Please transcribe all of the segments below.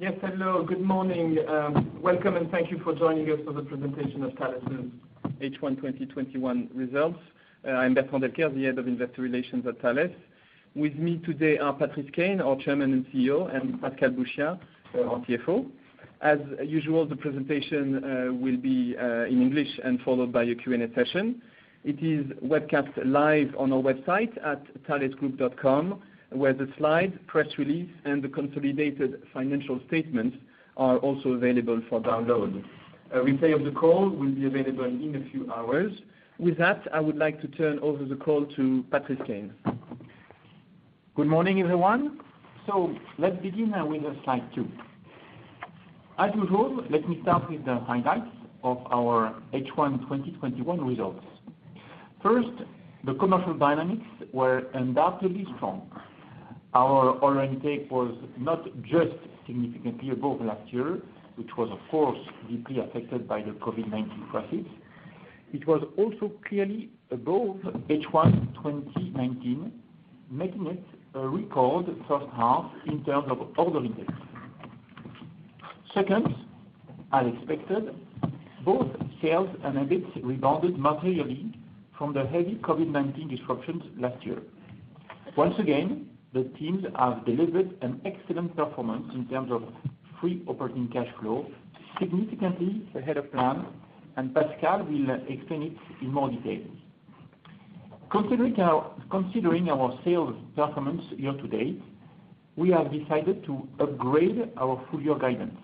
Yes, hello. Good morning. Welcome, and thank you for joining us for the presentation of Thales' H1 2021 results. I'm Bertrand Delcaire, the Head of Investor Relations at Thales. With me today are Patrice Caine, our Chairman and CEO, and Pascal Bouchiat, our CFO. As usual, the presentation will be in English and followed by a Q&A session. It is webcast live on our website at thalesgroup.com, where the slide, press release, and the consolidated financial statements are also available for download. A replay of the call will be available in a few hours. With that, I would like to turn over the call to Patrice Caine. Good morning, everyone. Let's begin now with the slide two. As usual, let me start with the highlights of our H1 2021 results. First, the commercial dynamics were undoubtedly strong. Our order intake was not just significantly above last year, which was of course deeply affected by the COVID-19 crisis. It was also clearly above H1 2019, making it a record first half in terms of order intake. Second, as expected, both sales and EBIT rebounded materially from the heavy COVID-19 disruptions last year. Once again, the teams have delivered an excellent performance in terms of free operating cash flow, significantly ahead of plan, and Pascal will explain it in more details. Considering our sales performance year to date, we have decided to upgrade our full year guidance.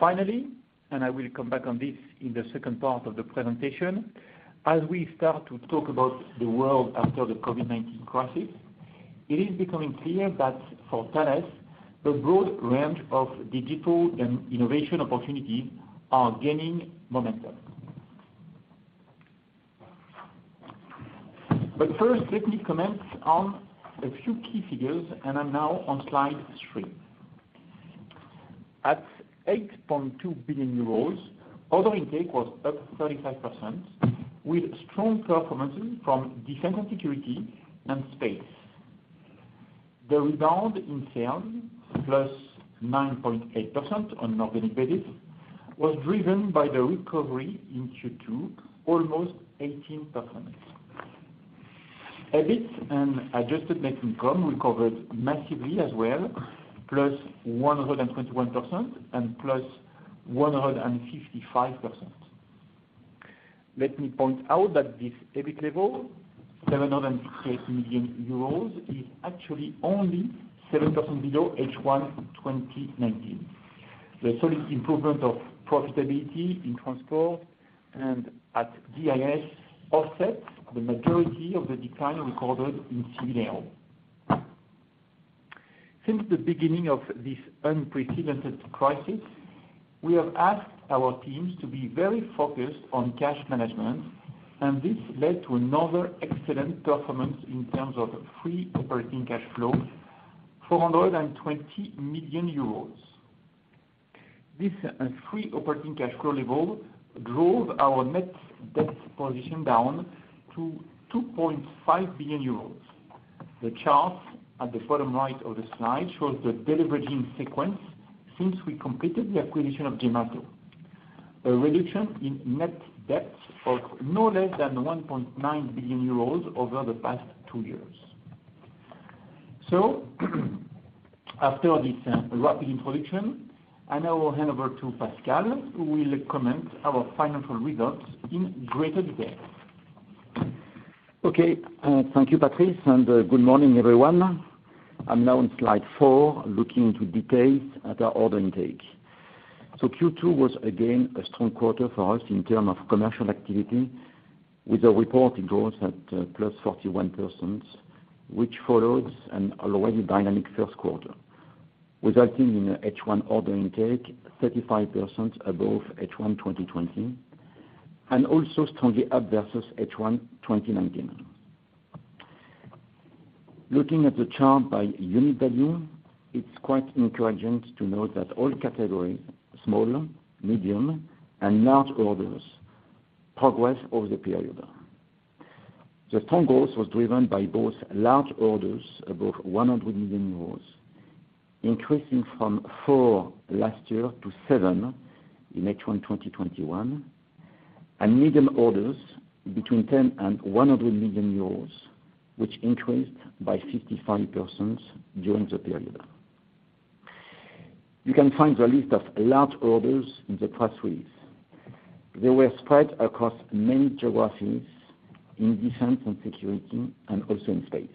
Finally, and I will come back on this in the second part of the presentation, as we start to talk about the world after the COVID-19 crisis, it is becoming clear that for Thales, a broad range of digital and innovation opportunities are gaining momentum. First, let me comment on a few key figures, and I'm now on slide three. At 8.2 billion euros, order intake was up 35% with strong performances from defense and security and space. The rebound in sales, +9.8% on an organic basis, was driven by the recovery in Q2, almost 18%. EBIT and adjusted net income recovered massively as well, +121%, and +155%. Let me point out that this EBIT level, 703 million euros, is actually only 7% below H1 2019. The solid improvement of profitability in transport and at GIS offset the majority of the decline recorded in Civil Aero. Since the beginning of this unprecedented crisis, we have asked our teams to be very focused on cash management, and this led to another excellent performance in terms of free operating cash flow, 420 million euros. This free operating cash flow level drove our net debt position down to 2.5 billion euros. The chart at the bottom right of the slide shows the deleveraging sequence since we completed the acquisition of Gemalto. A reduction in net debt of no less than 1.9 billion euros over the past two years. After this rapid introduction, I now hand over to Pascal, who will comment on our financial results in greater depth. Okay. Thank you, Patrice, and good morning, everyone. I'm now on slide four, looking into details at our order intake. Q2 was again a strong quarter for us in terms of commercial activity with a reported growth at +41%, which follows an already dynamic first quarter, resulting in H1 order intake 35% above H1 2020, and also strongly up versus H1 2019. Looking at the chart by unit value, it's quite encouraging to note that all categories, small, medium, and large orders progress over the period. The strong growth was driven by both large orders above 100 million euros, increasing from four last year to seven in H1 2021, and medium orders between 10 million and 100 million euros, which increased by 55% during the period. You can find the list of large orders in the press release. They were spread across many geographies in defense and security and also in space.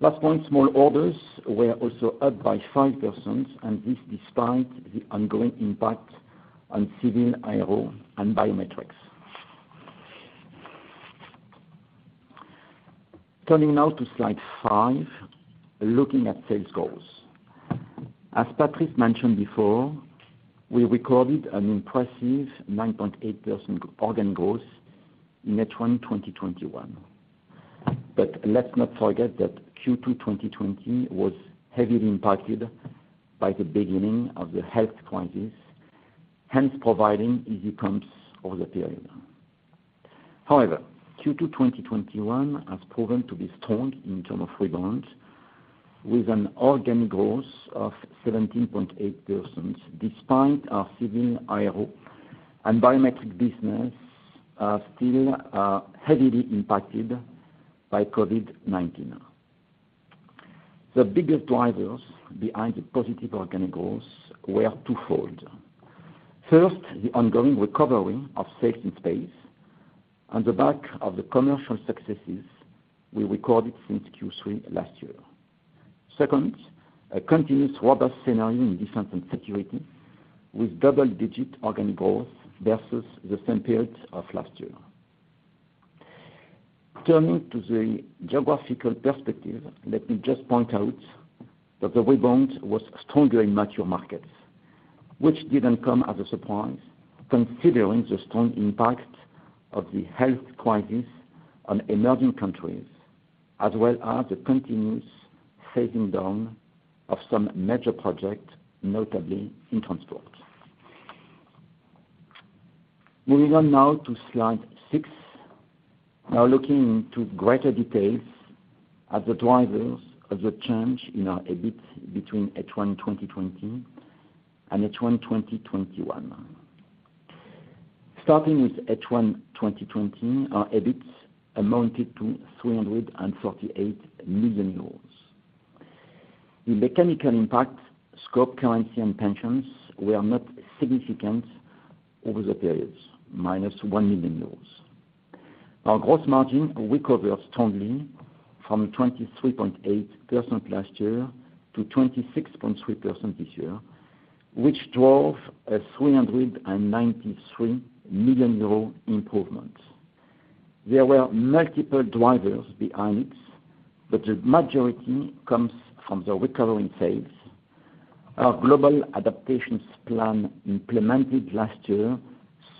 Last one, small orders were also up by 5%, and this despite the ongoing impact on civil aero and biometrics. Turning now to slide five, looking at sales growth. As Patrice mentioned before, we recorded an impressive 9.8% organic growth in H1 2021. Let's not forget that Q2 2020 was heavily impacted by the beginning of the health crisis, hence providing easy comps over the period. However, Q2 2021 has proven to be strong in terms of rebound, with an organic growth of 17.8% despite our civil aero and biometric business are still heavily impacted by COVID-19. The biggest drivers behind the positive organic growth were twofold. First, the ongoing recovery of Safety Space on the back of the commercial successes we recorded since Q3 last year. Second, a continuous robust scenario in Defense and Security, with double-digit organic growth versus the same period of last year. Turning to the geographical perspective, let me just point out that the rebound was stronger in mature markets, which didn't come as a surprise considering the strong impact of the health crisis on emerging countries, as well as the continuous phasing down of some major projects, notably in transport. Moving on now to Slide six. Now looking into greater details at the drivers of the change in our EBIT between H1 2020 and H1 2021. Starting with H1 2020, our EBIT amounted to 348 million euros. The mechanical impact, scope currency, and pensions were not significant over the periods, -1 million euros. Our gross margin recovered strongly from 23.8% last year to 26.3% this year, which drove a 393 million euro improvement. There were multiple drivers behind it, but the majority comes from the recovery phase. Our global adaptations plan, implemented last year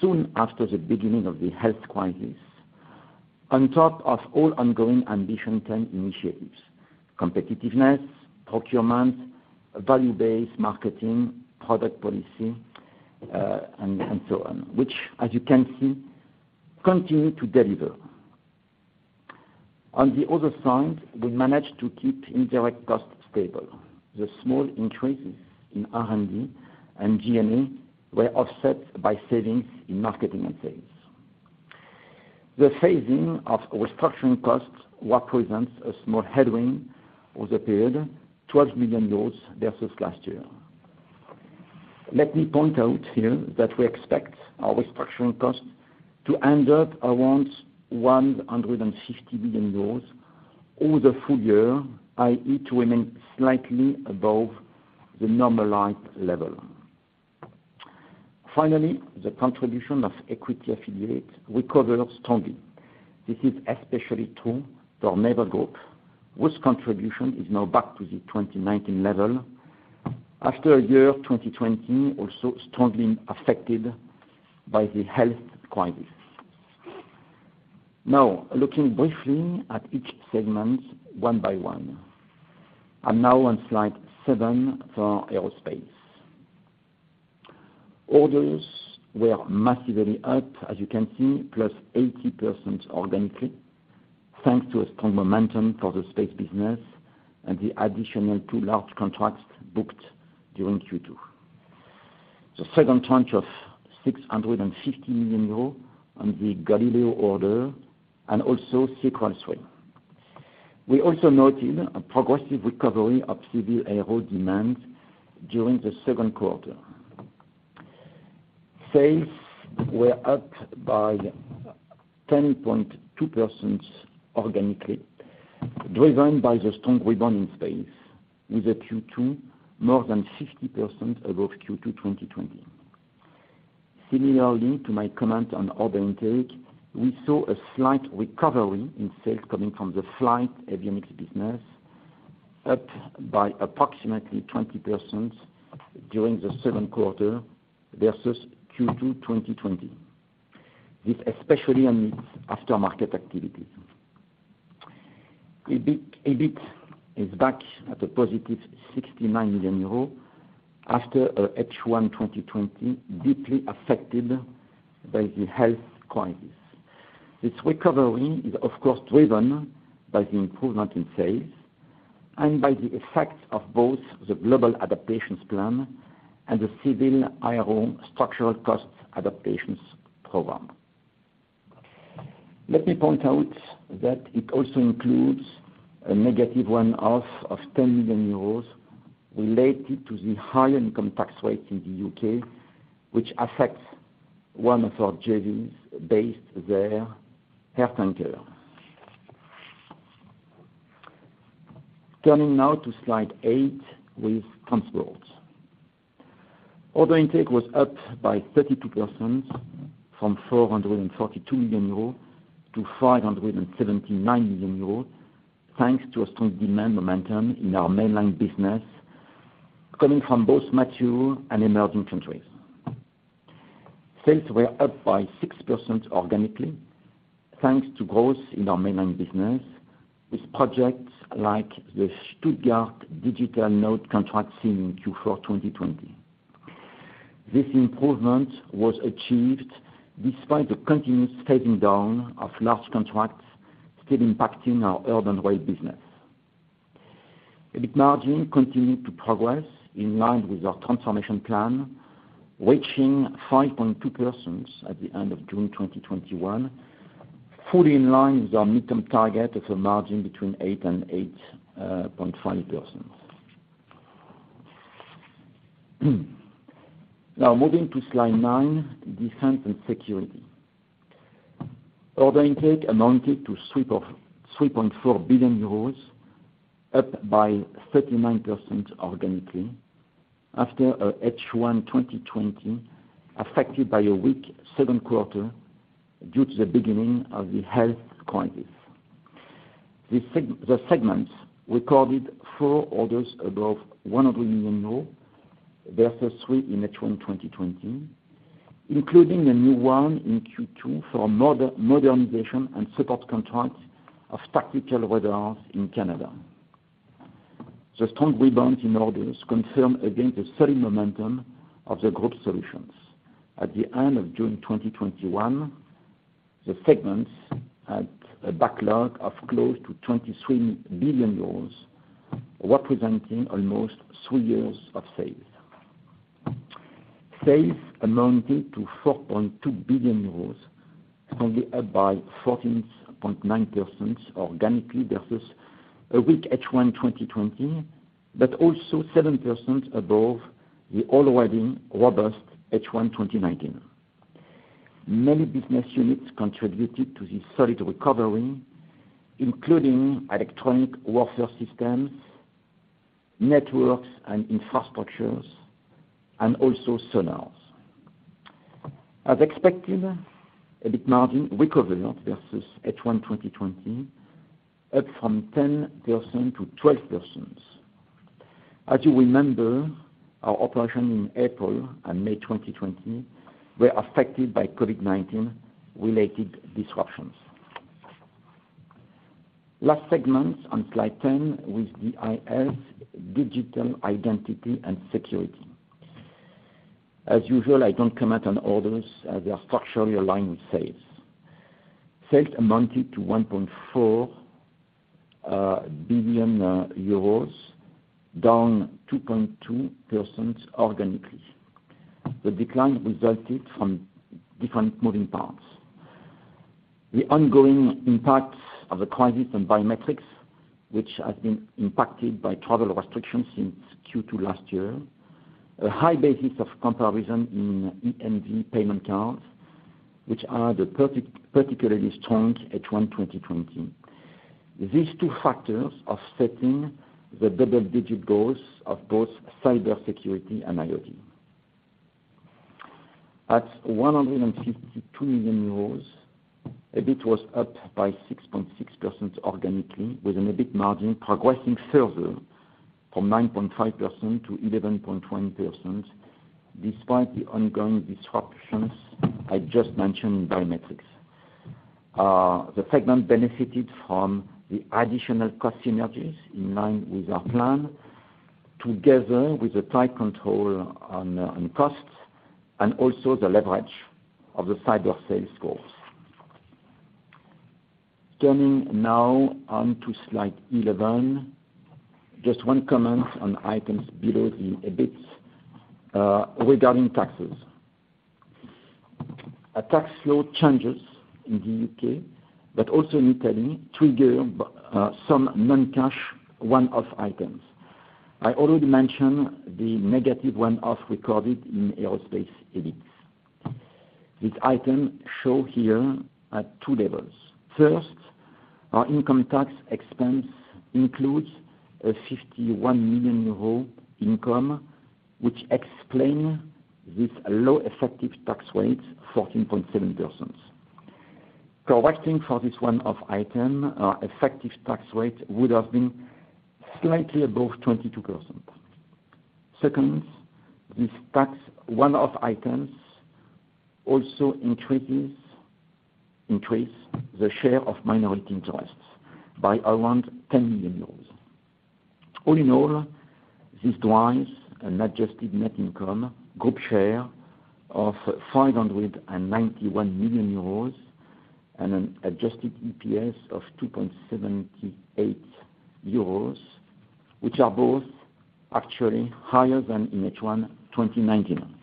soon after the beginning of the health crisis. On top of all ongoing Ambition ten initiatives, competitiveness, procurement, value base marketing, product policy, and so on, which, as you can see, continue to deliver. On the other side, we managed to keep indirect costs stable. The small increases in R&D and G&A were offset by savings in marketing and sales. The phasing of restructuring costs represents a small headwind over the period, 12 million versus last year. Let me point out here that we expect our restructuring costs to end up around 150 million euros over the full year, i.e., to remain slightly above the normalized level. Finally, the contribution of equity affiliate recovered strongly. This is especially true for Naval Group, whose contribution is now back to the 2019 level after a year 2020, also strongly affected by the health crisis. Now, looking briefly at each segment one by one. Now on slide seven for Aerospace. Orders were massively up, as you can see, +80% organically, thanks to a strong momentum for the Space business and the additional two large contracts booked during Q2. The second tranche of 650 million euros on the Galileo order and also SICRAL 3. We also noted a progressive recovery of civil aero demand during the second quarter. Sales were up by 10.2% organically, driven by the strong rebound in space, with a Q2 more than 50% above Q2 2020. Similarly to my comment on order intake, we saw a slight recovery in sales coming from the flight avionics business, up by approximately 20% during the second quarter versus Q2 2020, with especially on its aftermarket activity. EBIT is back at a positive 69 million euros after H1 2020, deeply affected by the health crisis. This recovery is of course driven by the improvement in sales and by the effect of both the global adaptations plan and the civil aero structural costs adaptations program. Let me point out that it also includes a negative one-off of 10 million euros related to the high income tax rate in the U.K., which affects one of our JVs based there, AirTanker. Turning now to Slide eight with transport. Order intake was up by 32% from 442 million euros to 579 million euros, thanks to a strong demand momentum in our mainline business coming from both mature and emerging countries. Sales were up by 6% organically, thanks to growth in our mainline business, with projects like the Stuttgart digital node contract seen in Q4 2020. This improvement was achieved despite the continuous scaling down of large contracts still impacting our urban rail business. EBIT margin continued to progress in line with our transformation plan, reaching 5.2% at the end of June 2021, fully in line with our midterm target of a margin between 8%-8.5%. Now moving to slide nine, defense and security. Order intake amounted to 3.4 billion euros, up 39% organically after H1 2020, affected by a weak second quarter due to the beginning of the health crisis. The segment recorded four orders above 100 million euros versus three in H1 2020, including a new one in Q2 for modernization and support contract of tactical radars in Canada. The strong rebound in orders confirm again the steady momentum of the group solutions. At the end of June 2021, the segment had a backlog of close to 23 billion euros, representing almost three years of sales. Sales amounted to 4.2 billion euros, strongly up by 14.9% organically versus a weak H1 2020, but also 7% above the already robust H1 2019. Many business units contributed to this solid recovery, including electronic warfare systems, networks and infrastructures, and also sonars. As expected, EBIT margin recovered versus H1 2020, up from 10% to 12%. As you remember, our operation in April and May 2020 were affected by COVID-19-related disruptions. Last segment on slide 10 with the DIS, digital identity and security. As usual, I don't comment on orders, as they are structurally aligned with sales. Sales amounted to 1.4 billion euros, down 2.2% organically. The decline resulted from different moving parts. The ongoing impact of the crisis on biometrics, which has been impacted by travel restrictions since Q2 last year. A high basis of comparison in EMV payment cards, which are the particularly strong H1 2020. These two factors are setting the double-digit growth of both cybersecurity and IoT. At 152 million euros, EBIT was up by 6.6% organically, with an EBIT margin progressing further from 9.5% to 11.1%, despite the ongoing disruptions I just mentioned in biometrics. The segment benefited from the additional cost synergies in line with our plan, together with a tight control on costs and also the leverage of the cyber sales growth. Turning now onto slide 11. Just one comment on items below the EBIT, regarding taxes. Tax law changes in the UK, but also in Italy, trigger some non-cash one-off items. I already mentioned the negative one-off recorded in aerospace EBIT. This item show here at two levels. First, our income tax expense includes a 51 million euro income, which explain this low effective tax rate, 14.7%. Correcting for this one-off item, our effective tax rate would have been slightly above 22%. Second, this tax one-off items also increases the share of minority interests by around 10 million euros. All in all, this drives an adjusted net income group share of 591 million euros and an adjusted EPS of 2.78 euros, which are both actually higher than in H1 2019.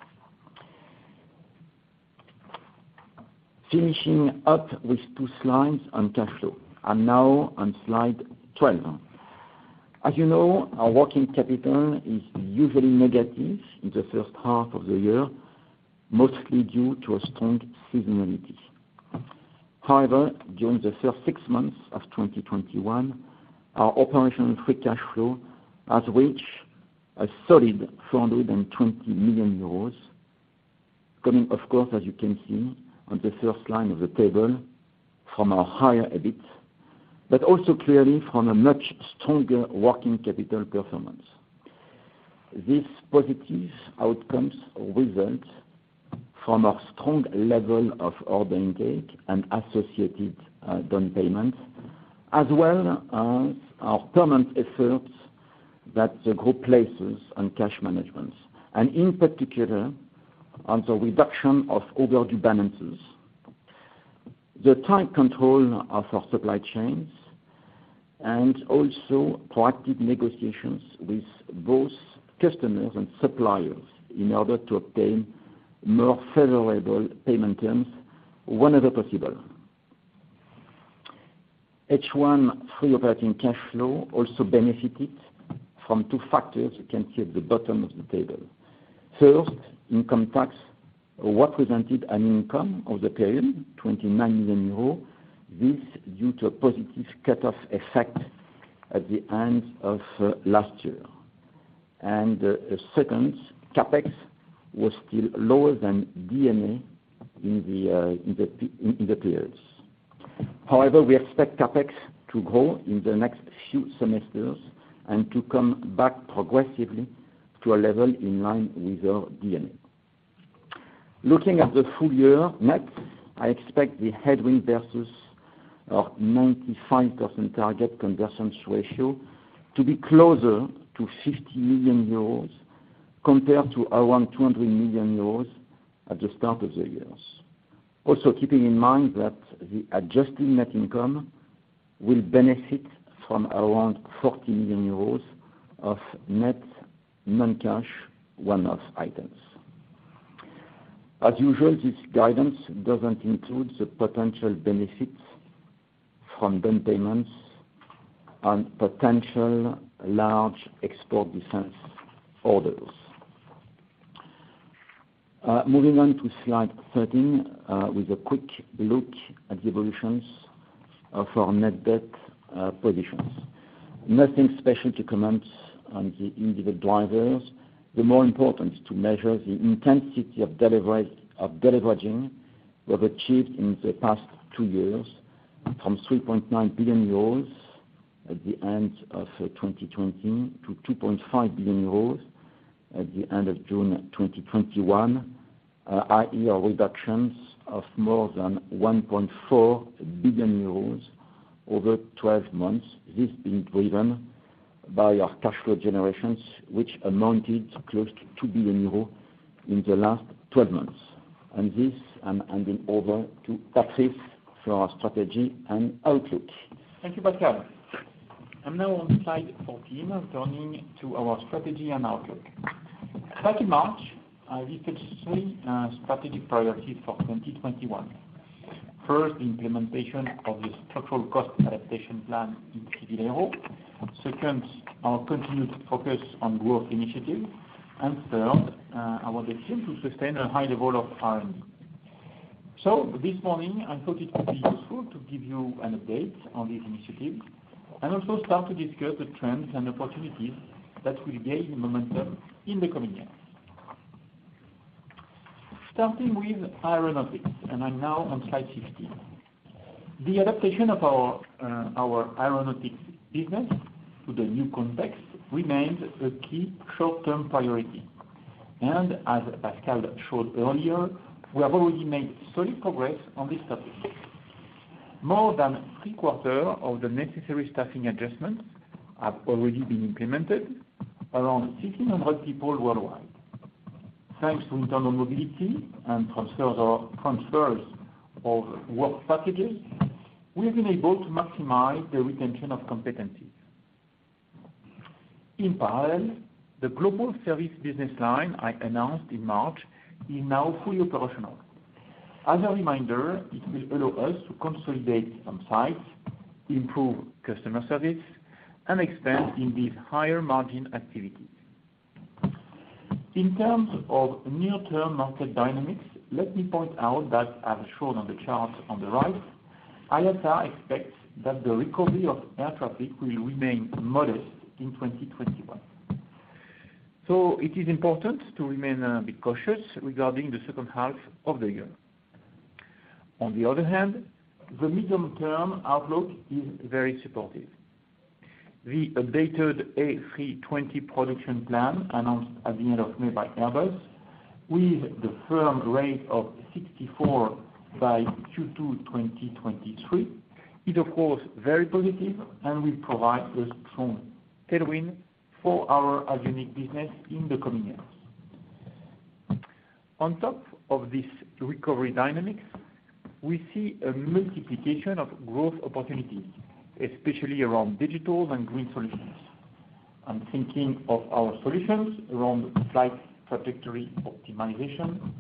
Finishing up with two slides on cash flow. Now on slide 12. As you know, our working capital is usually negative in the first half of the year, mostly due to a strong seasonality. However, during the first six months of 2021, our operational free cash flow has reached a solid 420 million euros. Coming, of course, as you can see on the first line of the table from our higher EBIT, but also clearly from a much stronger working capital performance. These positive outcomes result from our strong level of order intake and associated down payments, as well as our permanent efforts that the group places on cash management, and in particular on the reduction of overdue balances. The tight control of our supply chains and also proactive negotiations with both customers and suppliers in order to obtain more favorable payment terms whenever possible. H1 free operating cash flow also benefited from two factors you can see at the bottom of the table. First, income tax represented an income of the period, 29 million euros. This due to a positive cut-off effect at the end of last year. Second, CapEx was still lower than D&A in the periods. However, we expect CapEx to grow in the next few semesters and to come back progressively to a level in line with our D&A. Looking at the full year net, I expect the headwind versus our 95% target conversion ratio to be closer to 50 million euros compared to around 200 million euros at the start of the years. Also, keeping in mind that the adjusted net income will benefit from around 40 million euros of net non-cash one-off items. As usual, this guidance doesn't include the potential benefits from down payments and potential large export defense orders. Moving on to slide 13, with a quick look at the evolutions of our net debt positions. Nothing special to comment on the individual drivers. The more important is to measure the intensity of deleveraging we have achieved in the past two years from 3.9 billion euros at the end of 2020 to 2.5 billion euros at the end of June 2021. I.e., a reduction of more than 1.4 billion euros over 12 months. This being driven by our cash flow generations, which amounted close to 2 billion euros in the last 12 months. This, I'm handing over to Patrice for our strategy and outlook. Thank you, Pascal. I'm now on slide 14, turning to our strategy and outlook. Back in March, I listed three strategic priorities for 2021. First, the implementation of the structural cost adaptation plan in civil aero. Second, our continued focus on growth initiatives. Third, our decision to sustain a high level of R&D. This morning I thought it would be useful to give you an update on these initiatives and also start to discuss the trends and opportunities that will gain momentum in the coming years. Starting with aeronautics, and I'm now on slide 15. The adaptation of our aeronautics business to the new context remains a key short-term priority. As Pascal showed earlier, we have already made solid progress on this topic. More than three-quarters of the necessary staffing adjustments have already been implemented, around 1,600 people worldwide. Thanks to internal mobility and transfers of work packages, we have been able to maximize the retention of competencies. In parallel, the global service business line I announced in March is now fully operational. As a reminder, it will allow us to consolidate on sites, improve customer service, and expand in these higher margin activities. In terms of near-term market dynamics, let me point out that as shown on the chart on the right, IATA expects that the recovery of air traffic will remain modest in 2021. It is important to remain a bit cautious regarding the second half of the year. On the other hand, the medium-term outlook is very supportive. The updated A320 production plan announced at the end of May by Airbus with the firm rate of 64 by Q2 2023 is of course very positive and will provide a strong tailwind for our avionics business in the coming years. On top of this recovery dynamics, we see a multiplication of growth opportunities, especially around digital and green solutions. I'm thinking of our solutions around flight trajectory optimization,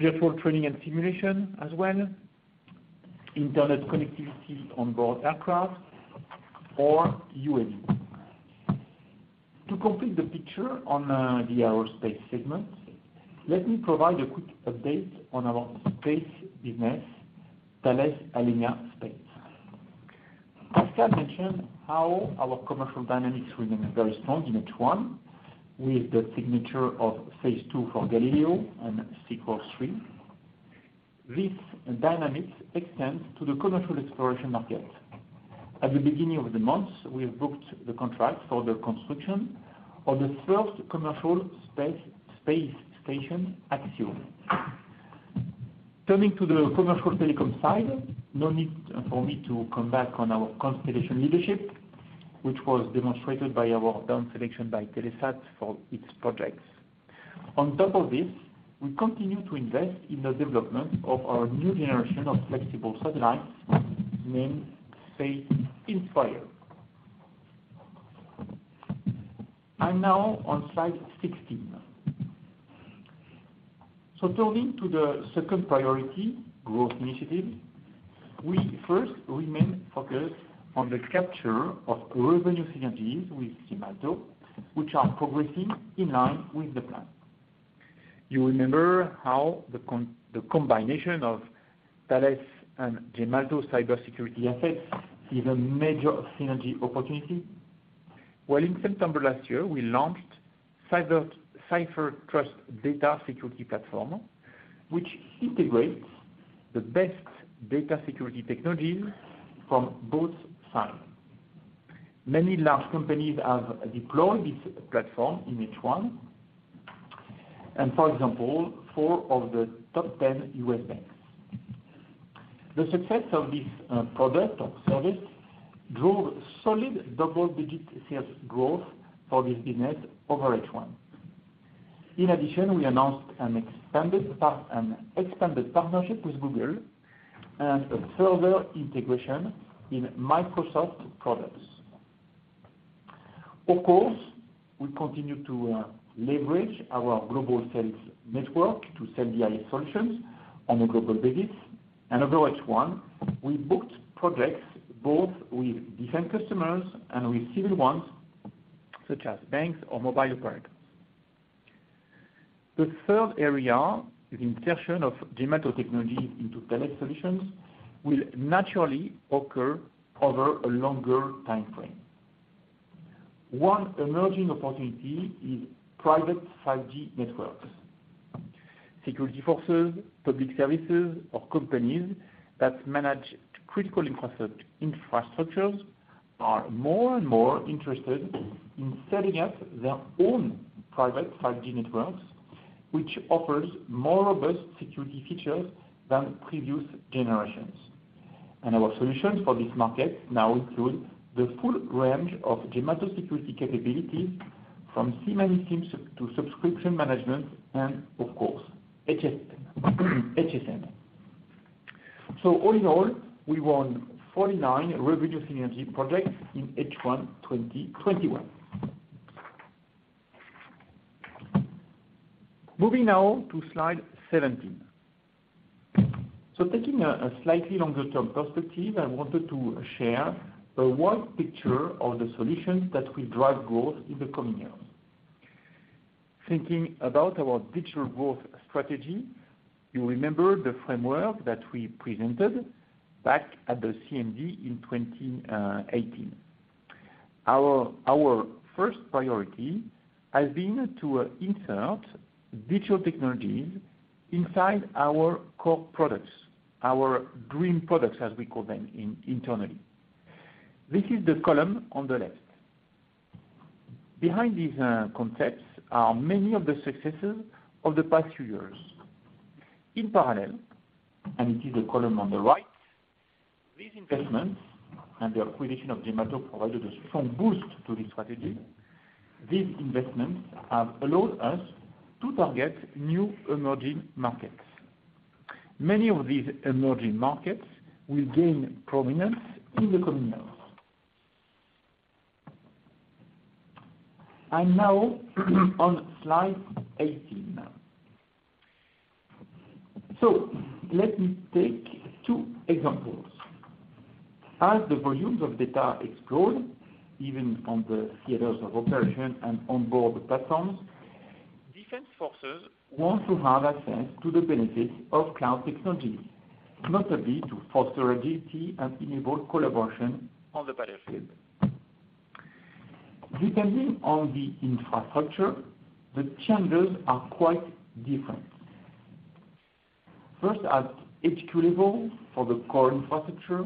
virtual training and simulation as well, internet connectivity on board aircraft or UAV. To complete the picture on the aerospace segment, let me provide a quick update on our space business, Thales Alenia Space. Pascal mentioned how our commercial dynamics remain very strong in H1 with the signature of phase II for Galileo and SICRAL 3. This dynamic extends to the commercial exploration market. At the beginning of the month, we have booked the contract for the construction of the first commercial space station, Axiom Space. Turning to the commercial telecom side, no need for me to come back on our constellation leadership, which was demonstrated by our down selection by Telesat for its projects. On top of this, we continue to invest in the development of our new generation of flexible satellites named Space Inspire. I'm now on slide 16. Turning to the second priority, growth initiative. We first remain focused on the capture of revenue synergies with Gemalto, which are progressing in line with the plan. You remember how the combination of Thales and Gemalto cybersecurity assets is a major synergy opportunity. Well, in September last year, we launched CipherTrust Data Security Platform, which integrates the best data security technologies from both sides. Many large companies have deployed this platform in H1, and for example, four of the top ten US banks. The success of this product or service drove solid double-digit sales growth for this business over H1. In addition, we announced an expanded partnership with Google and a further integration in Microsoft products. Of course, we continue to leverage our global sales network to sell the AI solutions on a global basis. Over H1, we booked projects both with different customers and with civil ones such as banks or mobile operators. The third area is insertion of Gemalto technology into Thales solutions will naturally occur over a longer timeframe. One emerging opportunity is private 5G networks. Security forces, public services, or companies that manage critical infrastructures are more and more interested in setting up their own private 5G networks, which offers more robust security features than previous generations. Our solutions for this market now include the full range of Gemalto security capabilities from CMIM team subscription management and of course, HSM. All in all, we won 49 revenue synergy projects in H1 2021. Moving now to slide 17. Taking a slightly longer-term perspective, I wanted to share a big picture of the solutions that will drive growth in the coming years. Thinking about our digital growth strategy, you remember the framework that we presented back at the CMD in 2018. Our first priority has been to insert digital technologies inside our core products, our dream products, as we call them internally. This is the column on the left. Behind these concepts are many of the successes of the past few years. In parallel, and it is the column on the right, these investments and the acquisition of Gemalto provided a strong boost to this strategy. These investments have allowed us to target new emerging markets. Many of these emerging markets will gain prominence in the coming years. Now on slide 18. Let me take two examples. As the volumes of data explode, even on the theaters of operation and onboard platforms, defense forces want to have access to the benefits of cloud technologies, notably to foster agility and enable collaboration on the battlefield. Depending on the infrastructure, the challenges are quite different. First, at HQ level for the core infrastructure,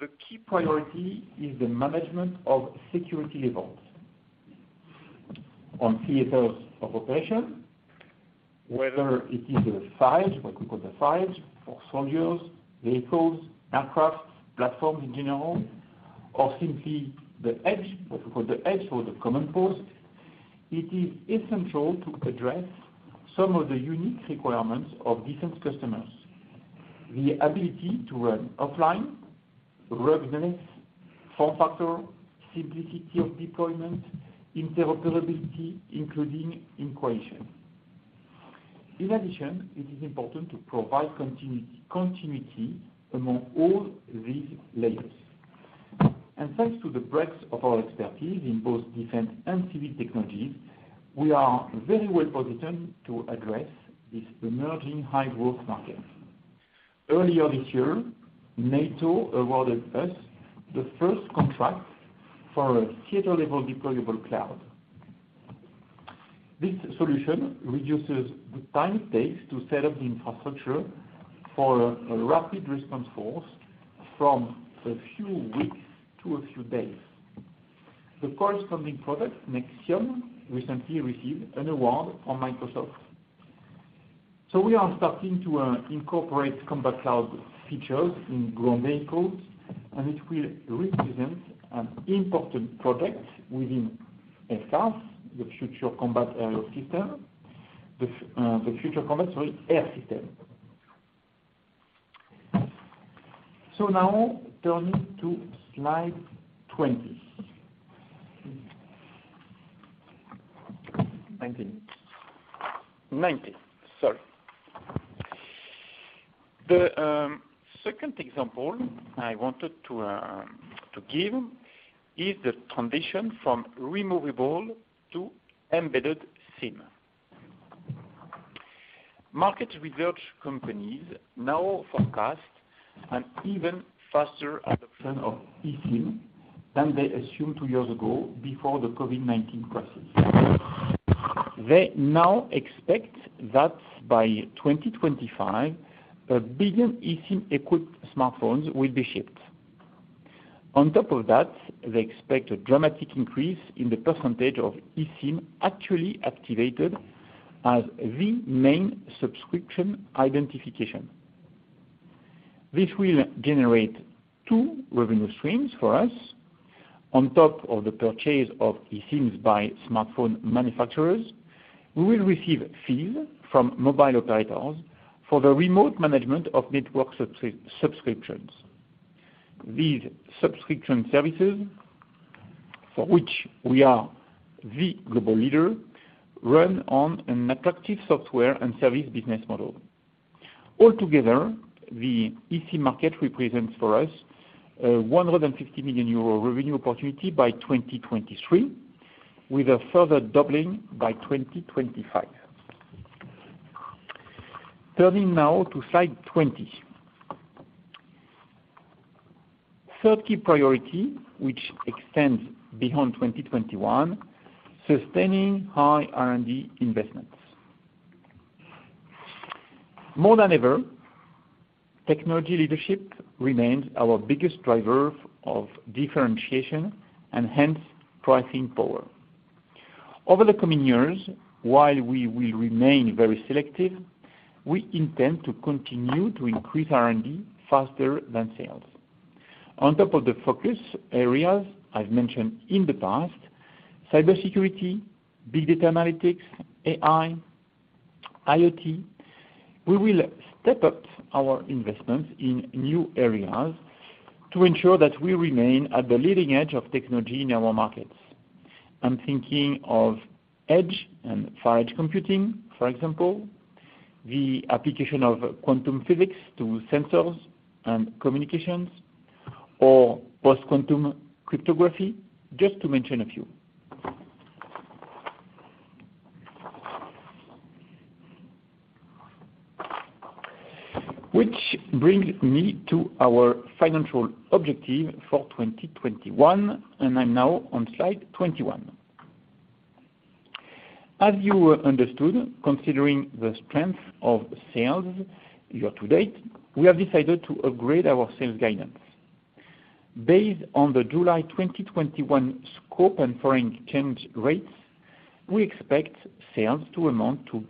the key priority is the management of security levels. On theaters of operation, whether it is a FIDE, what we call the FIDE, for soldiers, vehicles, aircraft, platforms in general, or simply the edge, what we call the edge or the command post. It is essential to address some of the unique requirements of defense customers. The ability to run offline, ruggedness, form factor, simplicity of deployment, interoperability, including in coalition. In addition, it is important to provide continuity among all these layers. Thanks to the breadth of our expertise in both defense and civil technologies, we are very well-positioned to address this emerging high-growth market. Earlier this year, NATO awarded us the first contract for a theater-level deployable cloud. This solution reduces the time it takes to set up the infrastructure for a rapid response force from a few weeks to a few days. The corresponding product, Nexium, recently received an award from Microsoft. We are starting to incorporate Combat Cloud features in ground vehicles, and it will represent an important product within FCAS, the Future Combat Air System. Now turning to slide 19. Sorry. The second example I wanted to give is the transition from removable to embedded SIM. Market research companies now forecast an even faster adoption of eSIM than they assumed two years ago before the COVID-19 crisis. They now expect that by 2025, 1 billion eSIM-equipped smartphones will be shipped. On top of that, they expect a dramatic increase in the percentage of eSIM actually activated as the main subscription identification. This will generate two revenue streams for us. On top of the purchase of eSIMs by smartphone manufacturers, we will receive fees from mobile operators for the remote management of network subscriptions. These subscription services, for which we are the global leader, run on an attractive software and service business model. All together, the eSIM market represents for us a 150 million euro revenue opportunity by 2023, with a further doubling by 2025. Turning now to slide 20. Third key priority, which extends beyond 2021, sustaining high R&D investments. More than ever, technology leadership remains our biggest driver of differentiation and hence pricing power. Over the coming years, while we will remain very selective, we intend to continue to increase R&D faster than sales. On top of the focus areas I've mentioned in the past, cybersecurity, big data analytics, AI, IoT, we will step up our investments in new areas to ensure that we remain at the leading edge of technology in our markets. I'm thinking of edge and far edge computing, for example, the application of quantum physics to sensors and communications, or post-quantum cryptography, just to mention a few. Which brings me to our financial objective for 2021, and I'm now on slide 21. As you understood, considering the strength of sales year to date, we have decided to upgrade our sales guidance. Based on the July 2021 scope and foreign change rates, we expect sales to amount to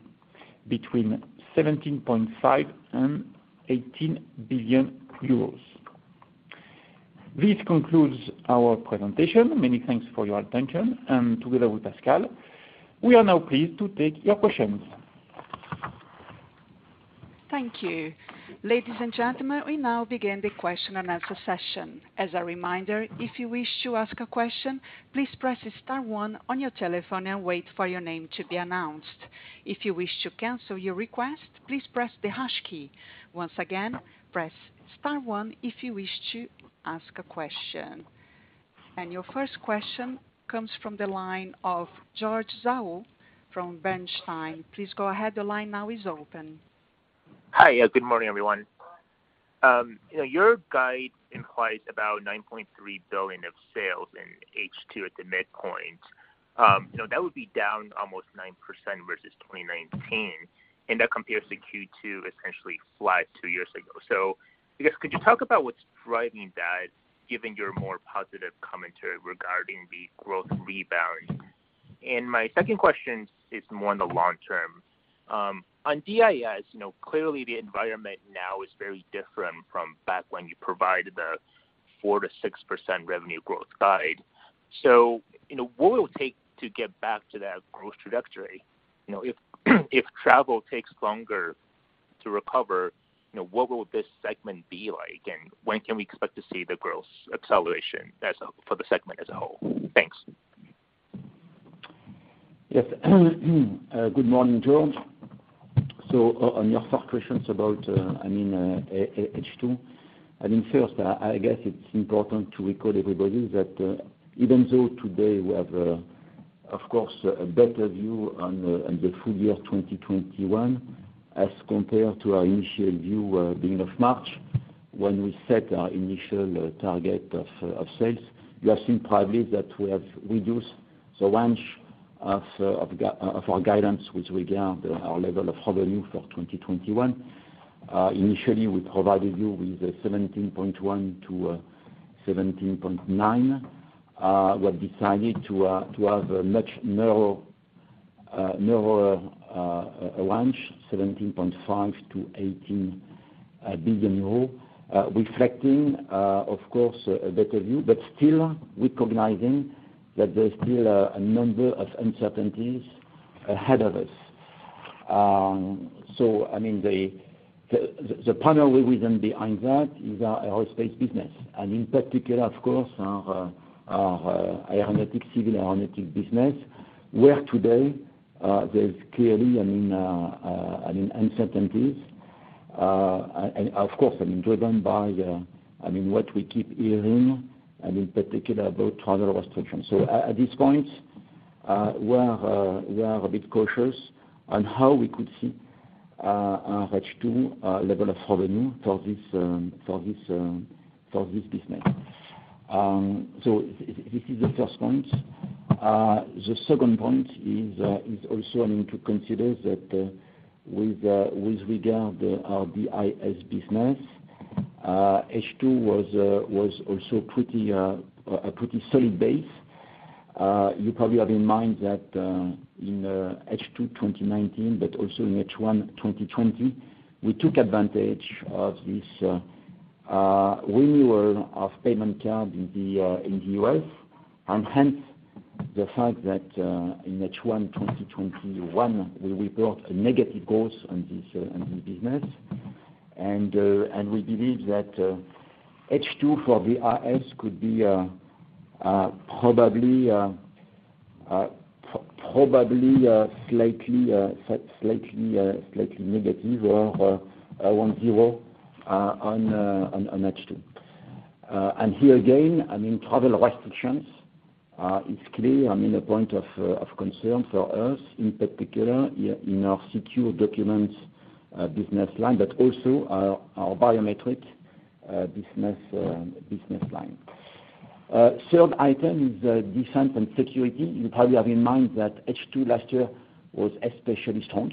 between 17.5 billion and 18 billion euros. This concludes our presentation. Many thanks for your attention. Together with Pascal, we are now pleased to take your questions. Thank you. Ladies and gentlemen, we now begin the question and answer session. As a reminder, if you wish to ask a question, please press star one on your telephone and wait for your name to be announced. If you wish to cancel your request, please press the hash key. Once again, press star one if you wish to ask a question. Your first question comes from the line of George Zhao from Bernstein. Please go ahead. The line now is open. Hi. Good morning, everyone. Your guide implies about 9.3 billion of sales in H2 at the midpoint. You know, that would be down almost 9% versus 2019, and that compares to Q2 essentially flat two years ago. I guess, could you talk about what's driving that, given your more positive commentary regarding the growth rebound? And my second question is more on the long term. On DIS, you know, clearly the environment now is very different from back when you provided the 4%-6% revenue growth guide. You know, what will it take to get back to that growth trajectory? You know, if travel takes longer to recover, you know, what will this segment be like? And when can we expect to see the growth acceleration for the segment as a whole? Thanks. Yes. Good morning, George. On your first question about, I mean, H2. I mean, first, I guess it's important to recall everybody that, even though today we have, of course, a better view on the full year 2021 as compared to our initial view, beginning of March. When we set our initial target of sales, you have seen probably that we have reduced the range of our guidance with regard to our level of revenue for 2021. Initially, we provided you with 17.1 billion-17.9 billion. We have decided to have a much narrower range, 17.5 billion-18 billion euros, reflecting, of course, a better view, but still recognizing that there's still a number of uncertainties ahead of us. I mean, the primary reason behind that is our aerospace business, and in particular, of course, our civil aeronautic business, where today, there's clearly, I mean, uncertainties. Of course, I mean, driven by, I mean, what we keep hearing, and in particular about travel restrictions. At this point, we are a bit cautious on how we could see our H2 level of revenue for this business. This is the first point. The second point is also, I mean, to consider that with regard to our DIS business, H2 was also a pretty solid base. You probably have in mind that in H2 2019, but also in H1 2020, we took advantage of this renewal of payment card in the in the US, and hence the fact that in H1 2021, we report a negative growth on this on this business. We believe that H2 for the RS could be probably slightly negative or 10 on H2. Here again, I mean, travel restrictions is clear, I mean, a point of concern for us, in particular in our secure documents business line, but also our biometric business line. Third item is defense and security. You probably have in mind that H2 last year was especially strong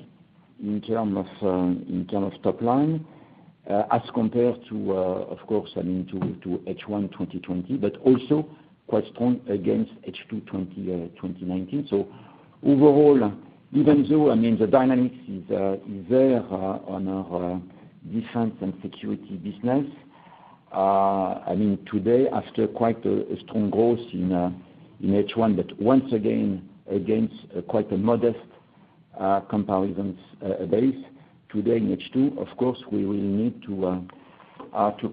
in terms of top line, as compared to, of course, I mean, to H1 2020, but also quite strong against H2 2019. Overall, even though, I mean, the dynamics is there on our defense and security business, I mean, today, after quite a strong growth in H1, but once again, against quite a modest comparison base, today in H2, of course, we will need to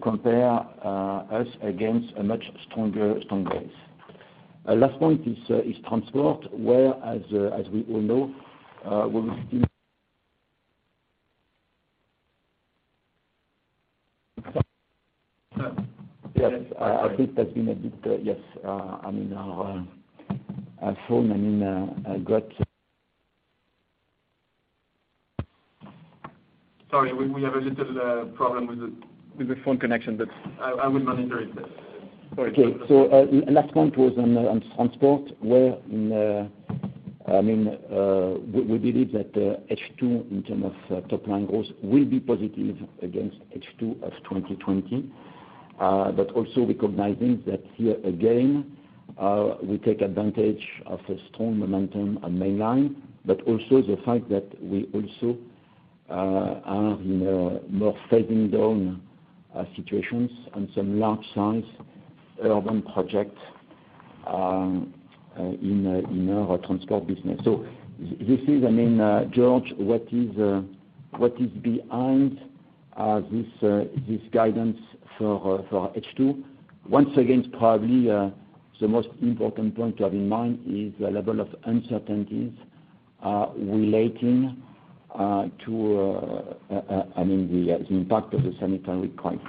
compare us against a much stronger base. Last point is transport, where, as we all know, we will still. Yes. I think that's been a bit, yes. I mean, our own, I mean, got- Sorry, we have a little problem with the phone connection, but I will monitor it. Yes. Sorry. Okay. Last point was on transport, where we believe that H2 in terms of top-line growth will be positive against H2 of 2020. But also recognizing that here again, we take advantage of a strong momentum on mainline, but also the fact that we also are in a more fading down situations on some large size urban project in our transport business. This is, I mean, George, what is behind this guidance for H2. Once again, probably the most important point to have in mind is the level of uncertainties relating to, I mean, the impact of the sanitary crisis.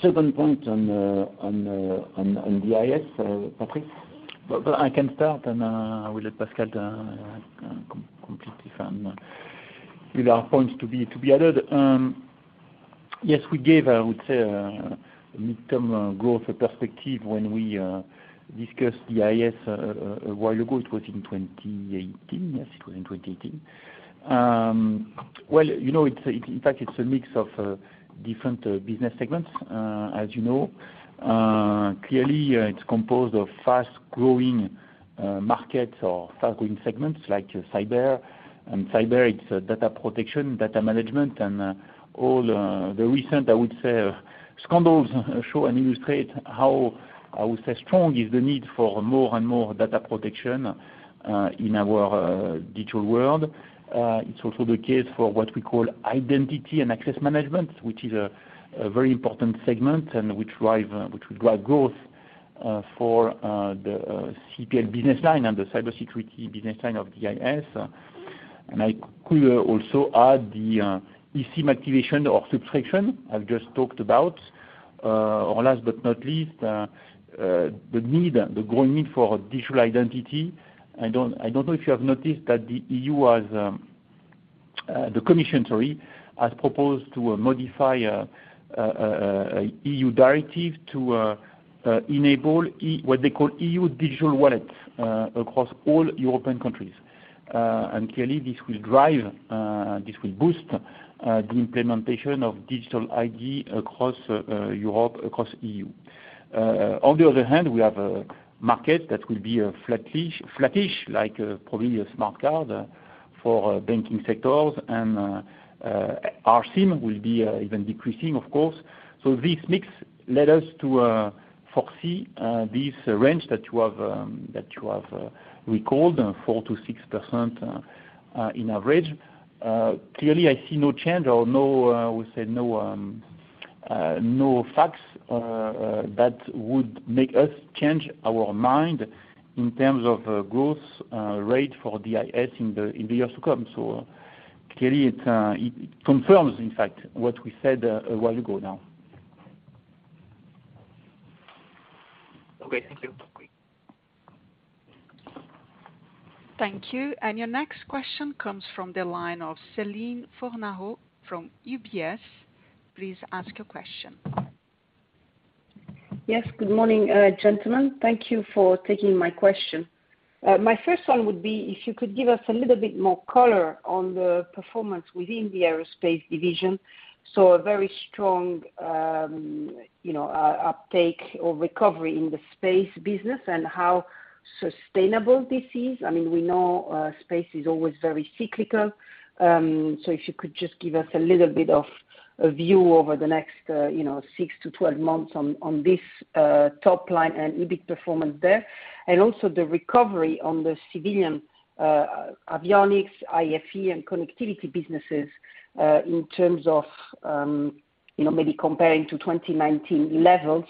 Second point on DIS, Patrice? Well, I can start, and we'll let Pascal completely from with our points to be added. Yes, we gave, I would say, a midterm growth perspective when we discussed DIS a while ago. It was in 2018. Yes, it was in 2018. Well, you know, it's in fact a mix of different business segments, as you know. Clearly, it's composed of fast-growing markets or fast-growing segments like cyber. Cyber, it's data protection, data management, and all the recent, I would say, scandals show and illustrate how, I would say, strong is the need for more and more data protection in our digital world. It's also the case for what we call identity and access management, which is a very important segment and which will drive growth for the CPL business line and the cybersecurity business line of DIS. I could also add the eSIM activation or subscription I've just talked about. Last but not least, the growing need for digital identity. I don't know if you have noticed that the EU has the commission, sorry, has proposed to modify an EU directive to enable what they call EU digital wallet across all European countries. Clearly this will boost the implementation of digital ID across Europe, across EU. On the other hand, we have a market that will be flattish like probably a smart card for banking sectors and our SIM will be even decreasing of course. This mix led us to foresee this range that you have recalled, 4%-6% on average. Clearly, I see no change or no, we see no facts that would make us change our mind in terms of growth rate for DIS in the years to come. Clearly, it confirms in fact what we said a while ago now. Okay. Thank you. Thank you. Your next question comes from the line of Céline Fornaro from UBS. Please ask your question. Yes. Good morning, gentlemen. Thank you for taking my question. My first one would be if you could give us a little bit more color on the performance within the aerospace division. A very strong, you know, uptake or recovery in the space business, and how sustainable this is. I mean, we know, space is always very cyclical. If you could just give us a little bit of a view over the next, you know, six-12 months on this top line and EBIT performance there. Also the recovery on the civilian avionics, IFE, and connectivity businesses, in terms of, you know, maybe comparing to 2019 levels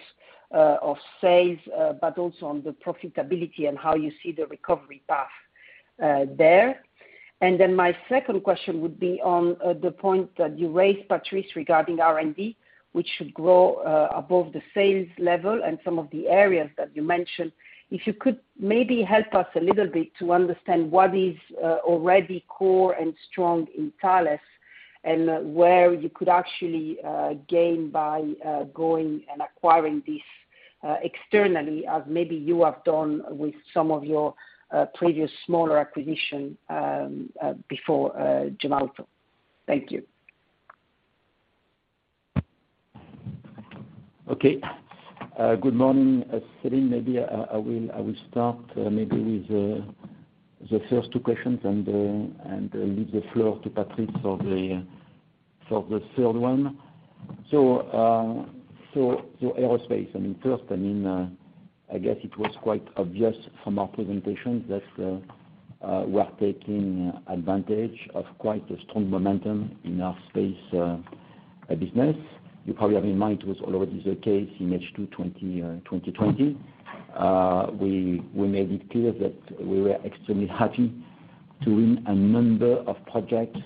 of sales, but also on the profitability and how you see the recovery path there. My second question would be on the point that you raised, Patrice, regarding R&D, which should grow above the sales level and some of the areas that you mentioned. If you could maybe help us a little bit to understand what is already core and strong in Thales, and where you could actually gain by going and acquiring this externally as maybe you have done with some of your previous smaller acquisition before Gemalto. Thank you. Okay. Good morning, Céline. Maybe I will start maybe with the first two questions and leave the floor to Patrice for the third one. Aerospace, I mean, first, I mean, I guess it was quite obvious from our presentation that we are taking advantage of quite a strong momentum in our Space business. You probably have in mind it was already the case in H2 2020. We made it clear that we were extremely happy to win a number of projects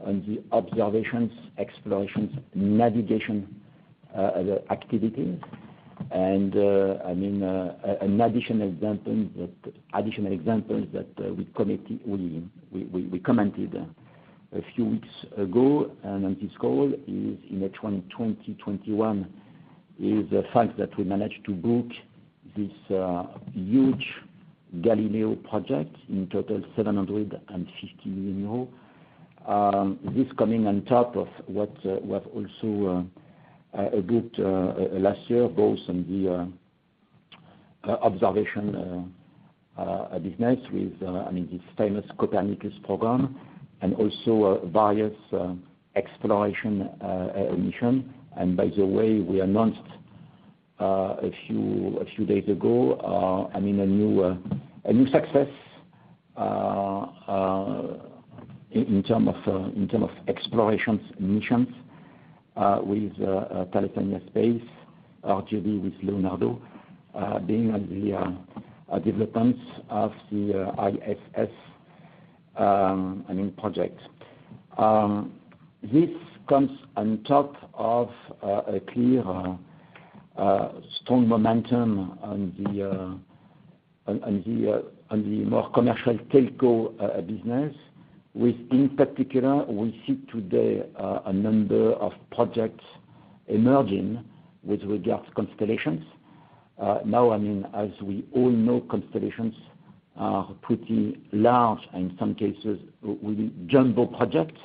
on the observations, explorations, navigation activities. I mean, an additional example that we commented a few weeks ago and on this call in 2021 is the fact that we managed to book this huge Galileo project, in total 750 million euros. This coming on top of what also booked last year, both on the observation business with, I mean, this famous Copernicus program and also, various exploration mission. By the way, we announced a few days ago, I mean, a new success in terms of exploration missions with Thales Alenia Space, a JV with Leonardo, being on the developments of the IRIDE project. This comes on top of a clear strong momentum in the more commercial telco business, with, in particular, we see today a number of projects emerging with regards to constellations. Now, I mean, as we all know, constellations are pretty large, and in some cases with jumbo projects.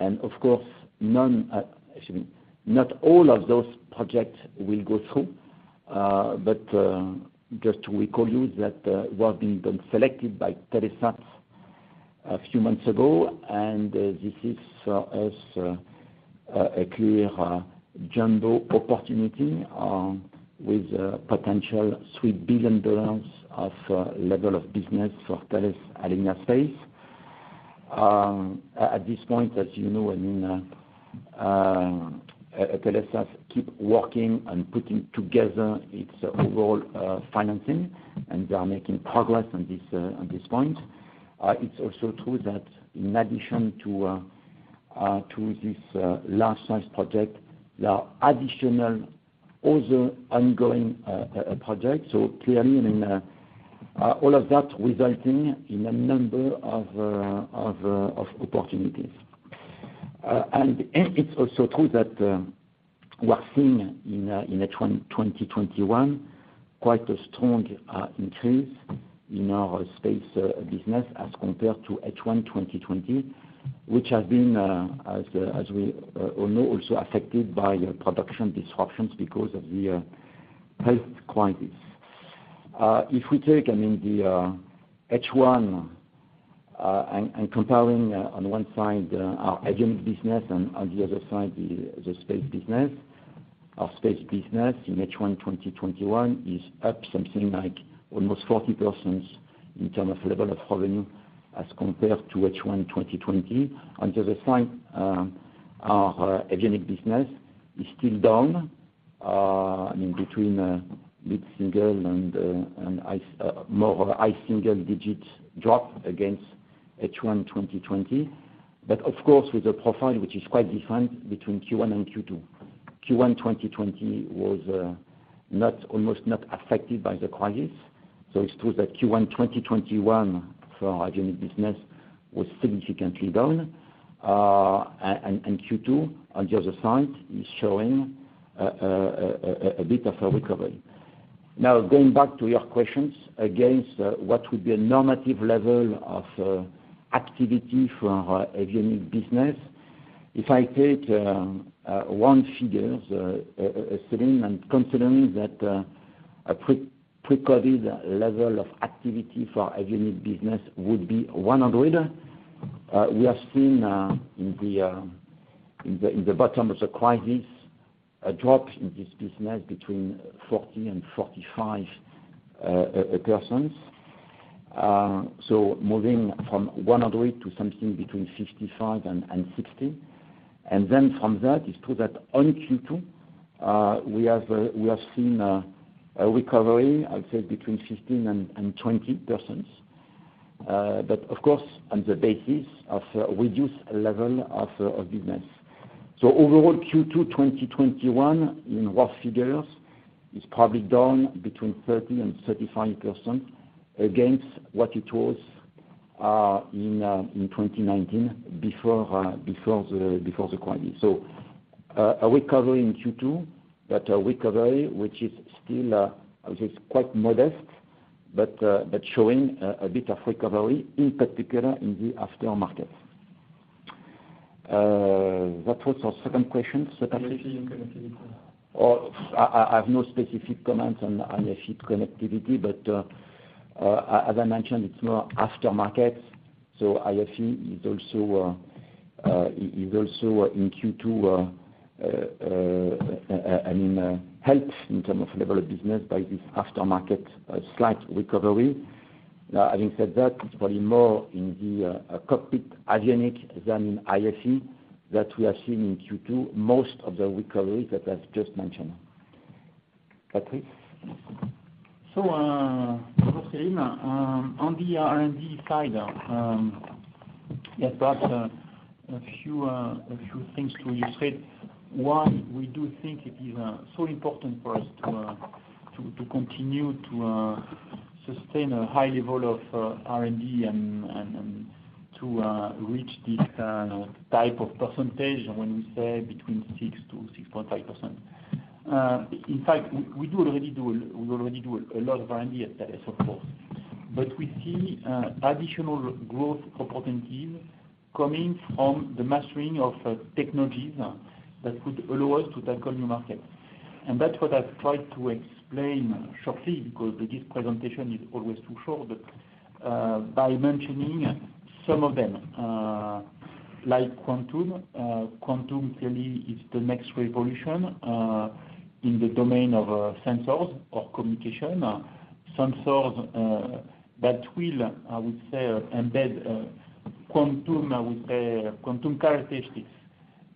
Of course, excuse me, not all of those projects will go through. Just to remind you that we have been selected by Telesat a few months ago, and this is for us a clear jumbo opportunity with a potential $3 billion level of business for Thales Alenia Space. At this point, as you know, I mean, Telesat keep working and putting together its overall financing, and they are making progress on this point. It's also true that in addition to this large size project, there are additional other ongoing projects. Clearly, I mean, all of that resulting in a number of opportunities. It's also true that we are seeing in H1 2021 quite a strong increase in our space business as compared to H1 2020, which has been, as we all know, also affected by production disruptions because of the health crisis. If we take, I mean, the H1 and comparing on one side our avionics business and on the other side the space business. Our space business in H1 2021 is up something like almost 40% in terms of level of revenue as compared to H1 2020. On the other side, our avionics business is still down, I mean, between mid-single and more high single digits drop against H1 2020. Of course, with a profile which is quite different between Q1 and Q2. Q1 2020 was almost not affected by the crisis. It's true that Q1 2021 for avionics business was significantly down. And Q2 on the other side is showing a bit of a recovery. Now going back to your questions as to what would be a normative level of activity for our avionics business. If I take one figure, Céline, and considering that a pre-COVID level of activity for avionics business would be 100, we have seen in the bottom of the crisis a drop in this business between 40 and 45%. Moving from 100 to something between 55 and 60. From that it's true that on Q2, we have seen a recovery, I would say between 15 and 20%. But of course, on the basis of a reduced level of business. Overall Q2 2021 in raw figures is probably down between 30% and 35% against what it was in 2019 before the crisis. A recovery in Q2, but a recovery which is still, I would say is quite modest but showing a bit of recovery in particular in the after market. What was our second question, Stéphane? IFE and connectivity. I have no specific comments on IFE connectivity, but as I mentioned, it's more aftermarket. IFE is also in Q2, I mean, helped in terms of level of business by this aftermarket slight recovery. Now having said that, it's probably more in the cockpit avionics than in IFE that we are seeing in Q2 most of the recovery that I've just mentioned. Patrice? For Céline, on the R&D side, perhaps a few things to illustrate. One, we do think it is so important for us to continue to sustain a high level of R&D and to reach this type of percentage when we say between 6%-6.5%. In fact, we already do a lot of R&D at Thales, of course. We see additional growth opportunities coming from the mastering of technologies that could allow us to tackle new markets. That's what I've tried to explain shortly because this presentation is always too short. By mentioning some of them, like quantum. Quantum clearly is the next revolution in the domain of sensors or communication. Sensors that will, I would say, embed quantum characteristics,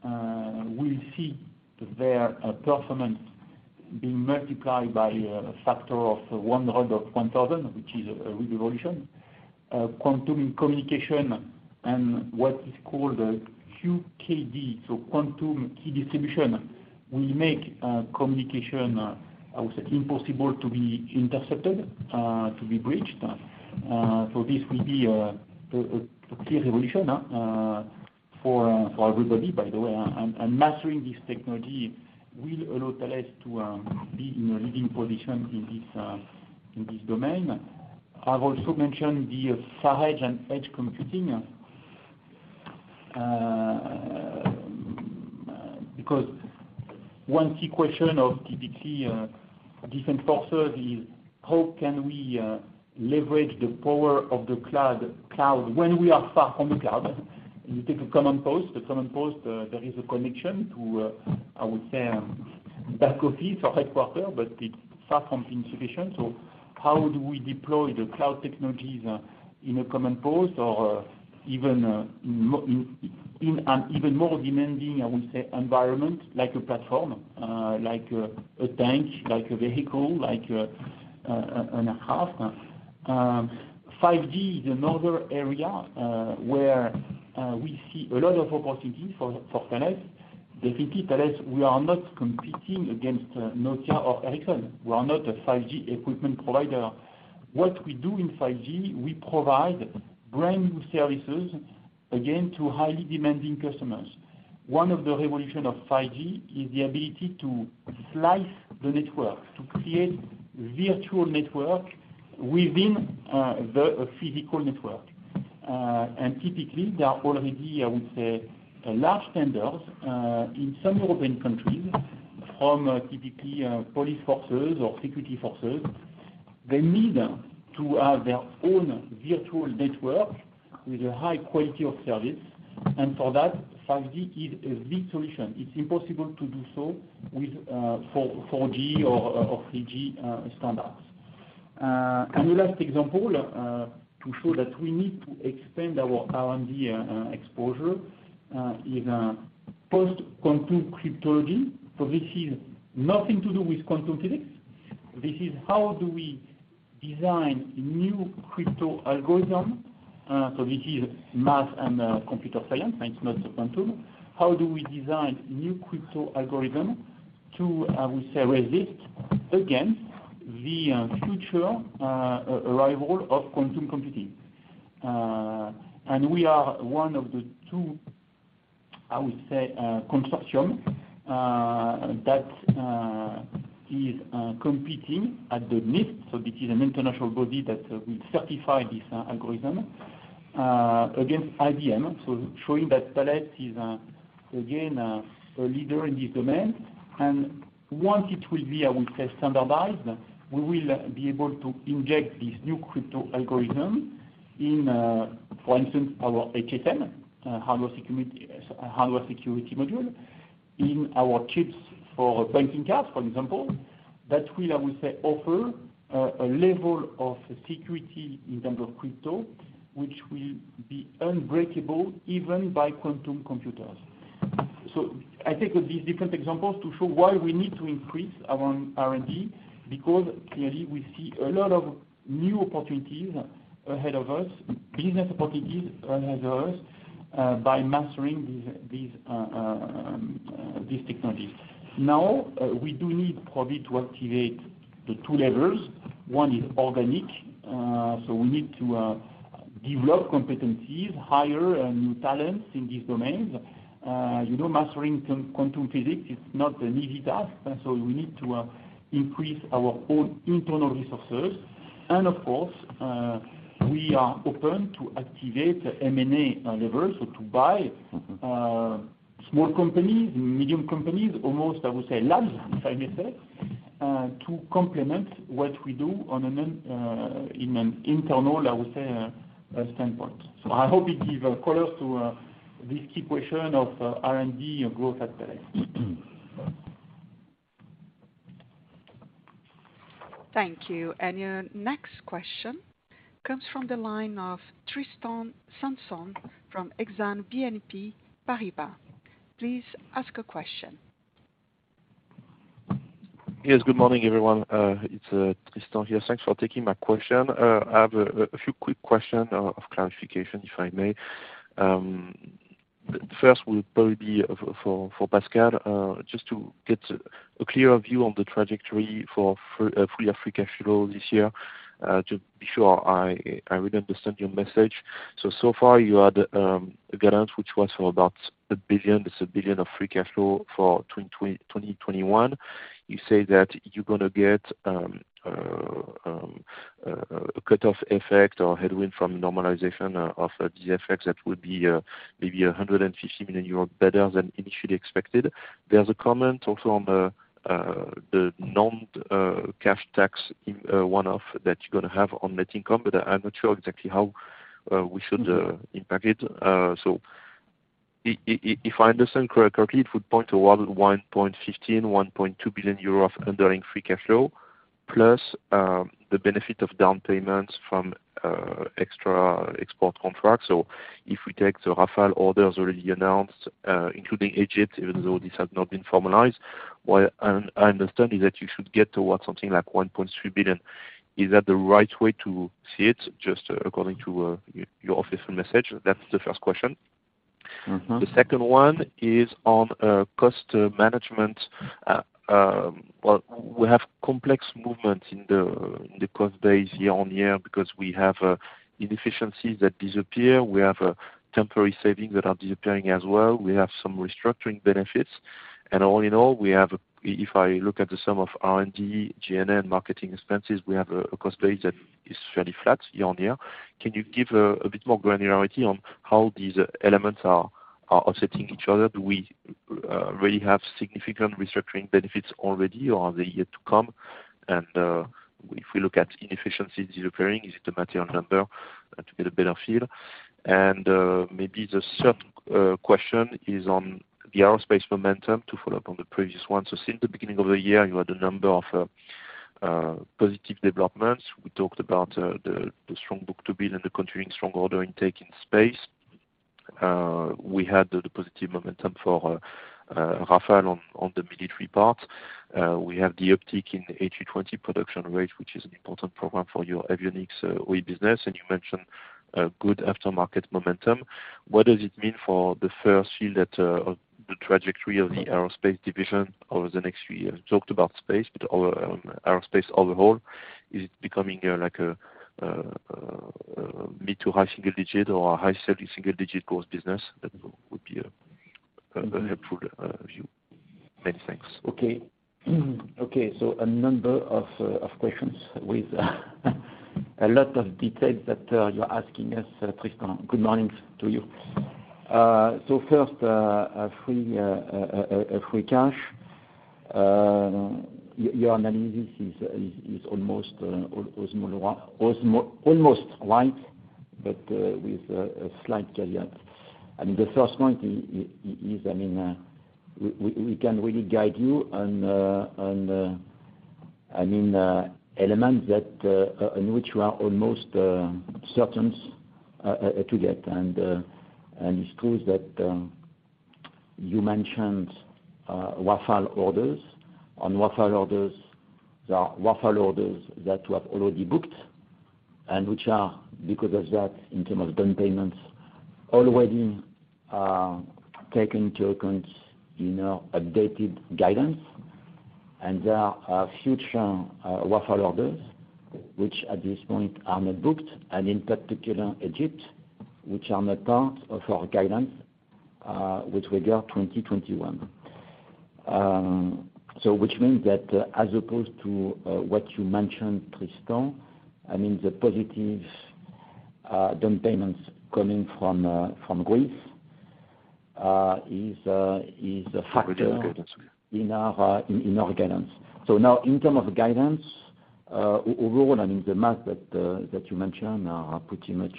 will see their performance being multiplied by a factor of 100-1,000, which is a real revolution. Quantum communication and what is called QKD, so quantum key distribution, will make communication, I would say, impossible to be intercepted, to be breached. This will be a clear evolution for everybody, by the way. Mastering this technology will allow Thales to be in a leading position in this domain. I've also mentioned the Far-Edge and Edge computing, because one key question of today, different forces is how can we leverage the power of the cloud when we are far from the cloud? You take a command post. A command post, there is a connection to, I would say, back office or headquarters, but it's far from being sufficient. How do we deploy the cloud technologies in a command post or in an even more demanding, I would say, environment like a platform, like an aircraft. 5G is another area where we see a lot of opportunity for Thales. Definitely Thales, we are not competing against Nokia or Ericsson. We are not a 5G equipment provider. What we do in 5G, we provide brand-new services again to highly demanding customers. One of the revolutions of 5G is the ability to slice the network, to create virtual networks within the physical network. Typically, there are already, I would say, large vendors in some European countries from typically police forces or security forces. They need to have their own virtual network with a high quality of service, and for that, 5G is a big solution. It's impossible to do so with 4G or 3G standards. The last example to show that we need to expand our R&D exposure is post-quantum cryptography. This is nothing to do with quantum physics. This is how do we design new crypto algorithm. This is math and computer science, and it's not quantum. How do we design new crypto algorithm to, I would say, resist against the future arrival of quantum computing? We are one of the two, I would say, consortium that is competing at the NIST, so this is an international body that will certify this algorithm against IBM, so showing that Thales is again a leader in this domain. Once it will be, I would say, standardized, we will be able to inject this new crypto algorithm in, for instance, our HSM, hardware security module, in our chips for banking cards, for example, that will, I would say, offer a level of security in terms of crypto which will be unbreakable even by quantum computers. I take these different examples to show why we need to increase our R&D because clearly we see a lot of new opportunities ahead of us, business opportunities ahead of us, by mastering these technologies. Now, we do need probably to activate the two levers. One is organic, so we need to develop competencies, hire new talents in these domains. You know, mastering quantum physics is not an easy task, and so we need to increase our own internal resources. Of course, we are open to activate M&A levers, so to buy small companies, medium companies, almost, I would say, large, if I may say, to complement what we do in an internal, I would say, standpoint. I hope it give color to this key question of R&D and growth at Thales. Thank you. Your next question comes from the line of Tristan Sanson from Exane BNP Paribas. Please ask a question. Yes. Good morning, everyone. It's Tristan here. Thanks for taking my question. I have a few quick question of clarification, if I may. First will probably be for Pascal, just to get a clearer view on the trajectory for free cash flow this year, to be sure I really understand your message. So far you had a guidance which was for about 1 billion. That's 1 billion of free cash flow for 2021. You say that you're gonna get a cutoff effect or headwind from normalization of the effects that would be maybe 150 million euros better than initially expected. There's a comment also on the non-cash tax one-off that you're gonna have on net income, but I'm not sure exactly how we should impact it. If I understand correctly, it would point toward 1.15-1.2 billion euros of underlying free cash flow, plus the benefit of down payments from extra export contracts. If we take the Rafale orders already announced, including Egypt, even though this has not been formalized, what I understand is that you should get towards something like 1.3 billion. Is that the right way to see it just according to your official message? That's the first question. Mm-hmm. The second one is on cost management. Well, we have complex movements in the cost base year-over-year because we have inefficiencies that disappear. We have temporary savings that are disappearing as well. We have some restructuring benefits. All in all, if I look at the sum of R&D, G&A, and marketing expenses, we have a cost base that is fairly flat year-over-year. Can you give a bit more granularity on how these elements are offsetting each other? Do we really have significant restructuring benefits already, or are they yet to come? If we look at inefficiencies disappearing, is it a material number to get a better feel? Maybe the third question is on the aerospace momentum to follow up on the previous one. Since the beginning of the year, you had a number of positive developments. We talked about the strong book-to-bill and the continuing strong order intake in Space. We had the positive momentum for Rafale on the military part. We have the uptick in the A320 production rate, which is an important program for your avionics OEM business, and you mentioned a good aftermarket momentum. What does it mean for the first year of the trajectory of the Aerospace division over the next few years? Talked about Space, but over Aerospace overall, is it becoming a like a mid- to high-single-digit or a high single-digit growth business? That would be a helpful view. Many thanks. Okay. A number of questions with a lot of details that you're asking us, Tristan. Good morning to you. First, free cash. Your analysis is almost right, but with a slight caveat. I mean, the first point is, I mean, we can really guide you on, I mean, elements in which you are almost certain to get. It's true that you mentioned Rafale orders. On Rafale orders, there are Rafale orders that you have already booked and which are, because of that, in terms of down payments, already taken into account in our updated guidance. There are future Rafale orders which at this point are not booked, and in particular Egypt, which are not part of our guidance, which regard 2021. Which means that as opposed to what you mentioned, Tristan, I mean, the positive down payments coming from Greece is a factor. Original guidance In our guidance. Now in terms of guidance, overall, I mean, the math that you mentioned are pretty much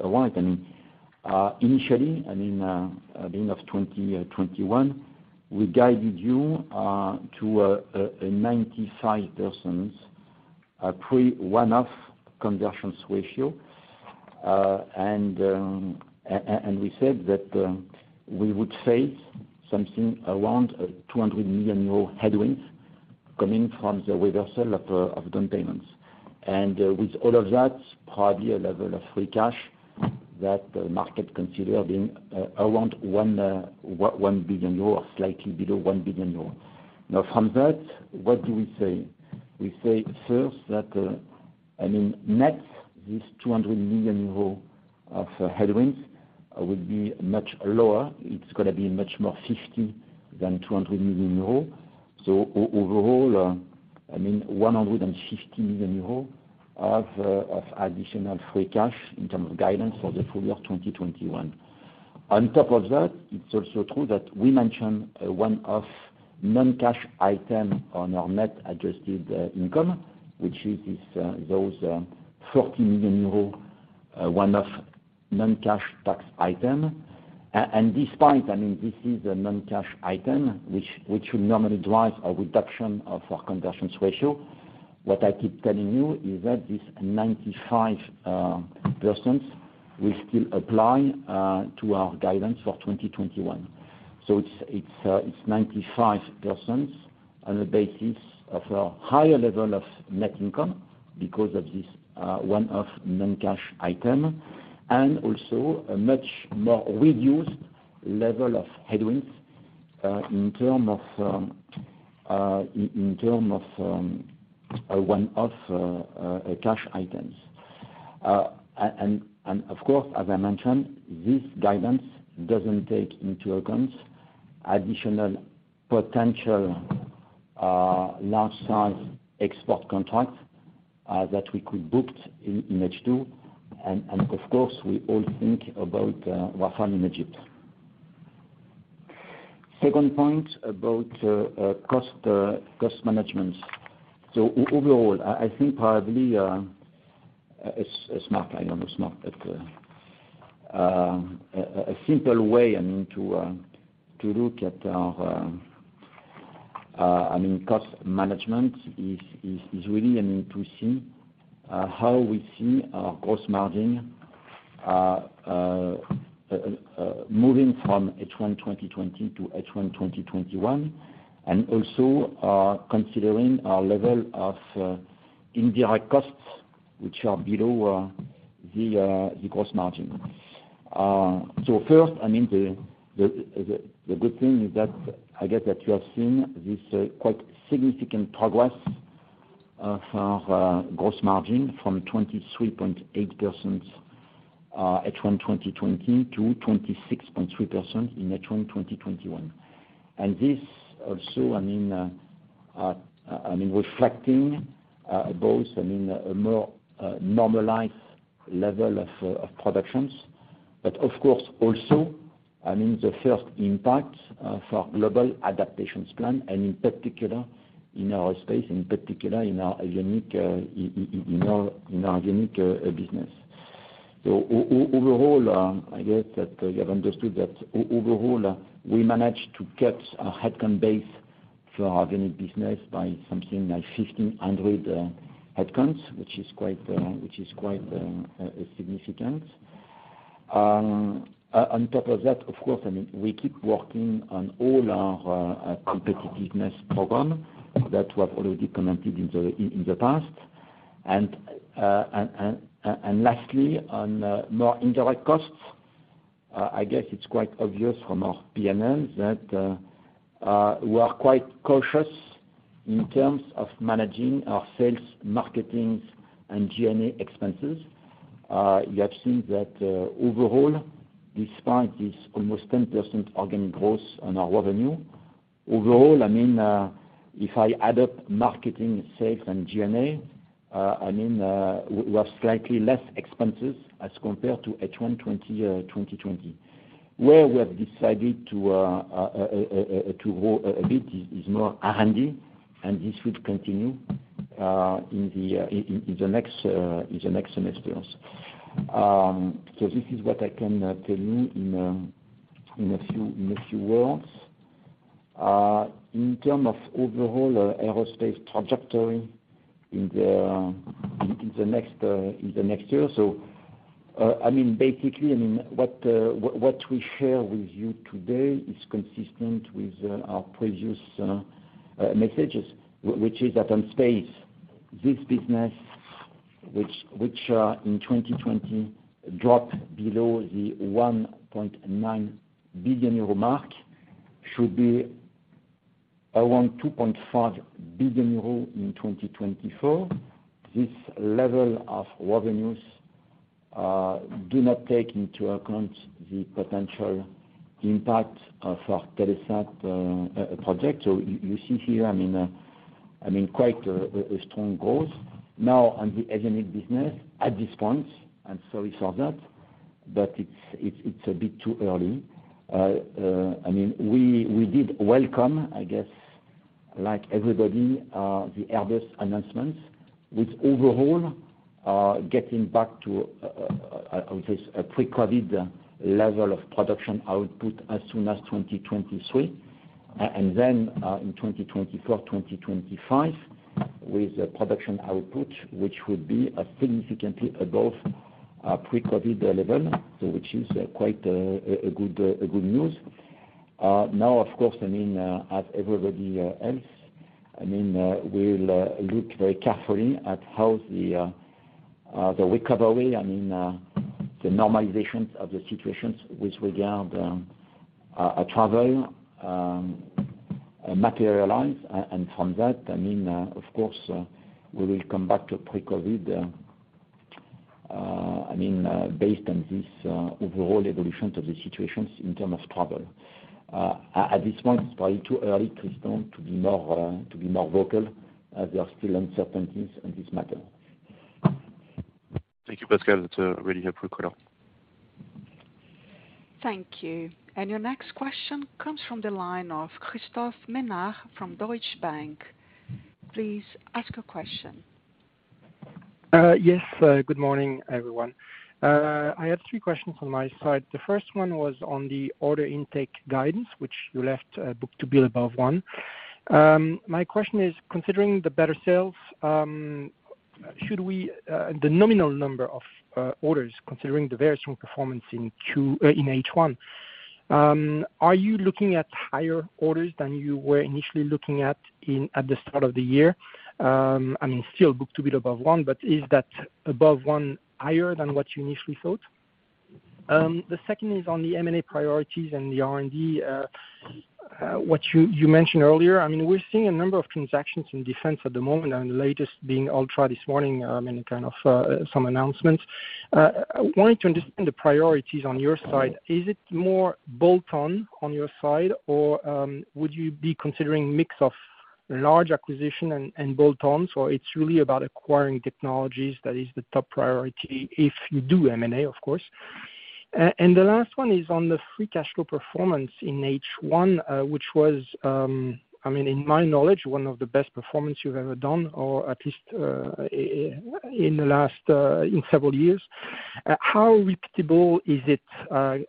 alike. I mean, initially, I mean, at the end of 2021, we guided you to a 95% pre one-off conversions ratio. And we said that we would face something around 200 million euro headwinds coming from the reversal of down payments. With all of that, probably a level of free cash that the market consider being around 1 billion euro or slightly below 1 billion euro. Now from that, what do we say? We say first that, I mean, net, this 200 million euro of headwinds will be much lower. It's gonna be much more 50 than 200 million euros. Overall, I mean, 150 million euros of additional free cash in terms of guidance for the full year of 2021. On top of that, it's also true that we mentioned a one-off non-cash item on our net adjusted income, which is this those 40 million euro one-off non-cash tax item. Despite, I mean, this is a non-cash item which would normally drive a reduction of our conversions ratio, what I keep telling you is that this 95% will still apply to our guidance for 2021. It's 95% on the basis of a higher level of net income because of this one-off non-cash item and also a much more reduced level of headwinds in terms of a one-off cash items. Of course, as I mentioned, this guidance doesn't take into account additional potential large size export contracts that we could booked in H2. We all think about Rafale in Egypt. Second point about cost management. Overall, I think probably a simple way, I mean, to look at our I mean cost management is really I mean to see how we see our gross margin moving from H1 2020-H1 2021, and also considering our level of indirect costs, which are below the gross margin. First, I mean, the good thing is that I get that you have seen this quite significant progress for gross margin from 23.8% H1 2020 to 26.3% in H1 2021. This also, I mean, reflecting both, I mean, a more normalized level of production, but of course also, I mean, the first impact for our global adaptation plan and in particular in aerospace, in particular in our avionics business. Overall, I guess that you have understood that overall, we managed to cut our headcount base for our business by something like 1,500 headcounts, which is quite significant. On top of that, of course, I mean, we keep working on all our competitiveness programs that we have already commented in the past. lastly, on more indirect costs, I guess it's quite obvious from our PNLs that we are quite cautious in terms of managing our sales, marketing, and G&A expenses. You have seen that overall, despite this almost 10% organic growth on our revenue, overall, I mean, if I add up marketing, sales, and G&A, I mean, we are slightly less expenses as compared to H1 2020. Where we have decided to go a bit more handy, and this will continue in the next semester. This is what I can tell you in a few words. In terms of overall aerospace trajectory in the next year or so, I mean, basically, what we share with you today is consistent with our previous messages, which is that on space, this business, which in 2020 dropped below the 1.9 billion euro mark, should be around 2.5 billion euro in 2024. This level of revenues do not take into account the potential impact of our Telesat project. You see here, I mean, quite a strong growth. Now on the airline business at this point, I'm sorry for that, but it's a bit too early. I mean, we did welcome, I guess, like everybody, the Airbus announcements, which overall are getting back to this pre-COVID level of production output as soon as 2023. Then, in 2024, 2025, with production output, which would be significantly above pre-COVID level, so which is quite a good news. Now of course, I mean, as everybody else, I mean, we'll look very carefully at how the recovery, I mean, the normalizations of the situations with regard to travel materialize. From that, I mean, of course, we will come back to pre-COVID, I mean, based on this overall evolution of the situations in terms of travel. At this point, it's probably too early to be more vocal, as there are still uncertainties in this matter. Thank you, Pascal. That's really helpful. Claro. Thank you. Your next question comes from the line of Christophe Menard from Deutsche Bank. Please ask your question. Yes. Good morning, everyone. I have three questions on my side. The first one was on the order intake guidance, which you left book-to-bill above one. My question is considering the better sales, should we the nominal number of orders, considering the very strong performance in H1, are you looking at higher orders than you were initially looking at in, at the start of the year? I mean, still book-to-bill above one, but is that above one higher than what you initially thought? The second is on the M&A priorities and the R&D what you mentioned earlier. I mean, we're seeing a number of transactions in defense at the moment, and the latest being Ultra this morning, and kind of some announcements. I wanted to understand the priorities on your side. Is it more bolt-on on your side? Or, would you be considering mix of large acquisition and bolt-ons? Or it's really about acquiring technologies that is the top priority if you do M&A, of course. The last one is on the free cash flow performance in H1, which was, I mean, in my knowledge, one of the best performance you've ever done, or at least, in the last, in several years. How repeatable is it? I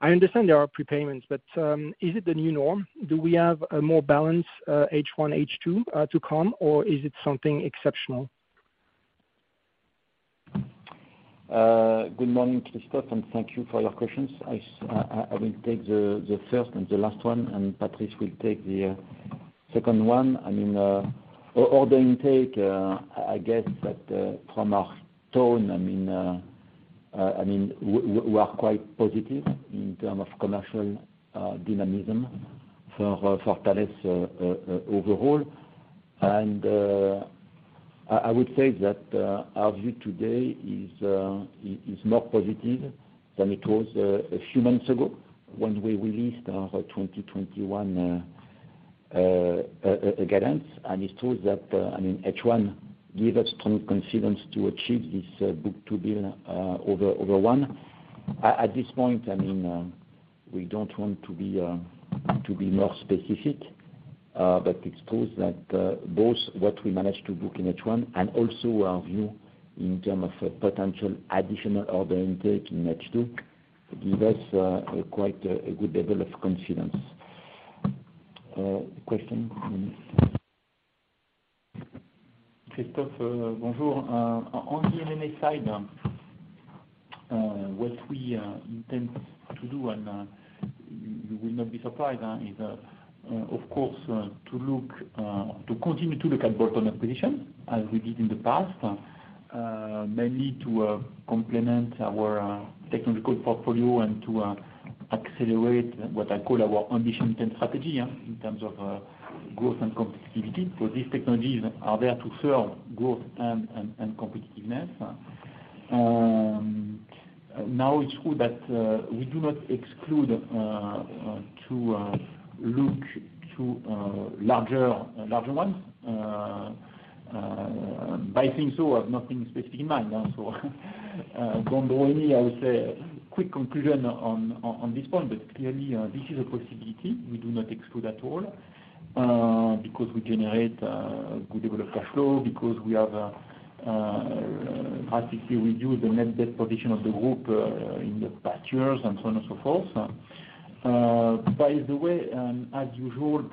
understand there are prepayments, but, is it the new norm? Do we have a more balanced, H1, H2, to come, or is it something exceptional? Good morning, Christoph, and thank you for your questions. I will take the first and the last one, and Patrice will take the second one. I mean, order intake, I guess that from our tone, I mean, we are quite positive in term of commercial dynamism for Thales overall. I would say that our view today is more positive than it was a few months ago when we released our 2021 guidance. It shows that, I mean, H1 give us strong confidence to achieve this book-to-bill over one. At this point, I mean, we don't want to be more specific, but it's true that both what we managed to book in H1 and also our view in terms of potential additional order intake in H2 give us quite a good level of confidence. Question? Christophe, bonjour. On the M&A side, what we intend to do, and you will not be surprised, is of course to continue to look at bolt-on acquisition as we did in the past. Mainly to complement our technical portfolio and to accelerate what I call our ambition-intent strategy, yeah, in terms of growth and competitivity, for these technologies are there to serve growth and competitiveness. Now it's true that we do not exclude to look to larger ones. I think I've nothing specific in mind, so don't draw any, I would say, quick conclusion on this point. Clearly, this is a possibility we do not exclude at all, because we generate good level of cash flow because we have drastically reduced the net debt position of the group, in the past years and so on and so forth. By the way, as usual,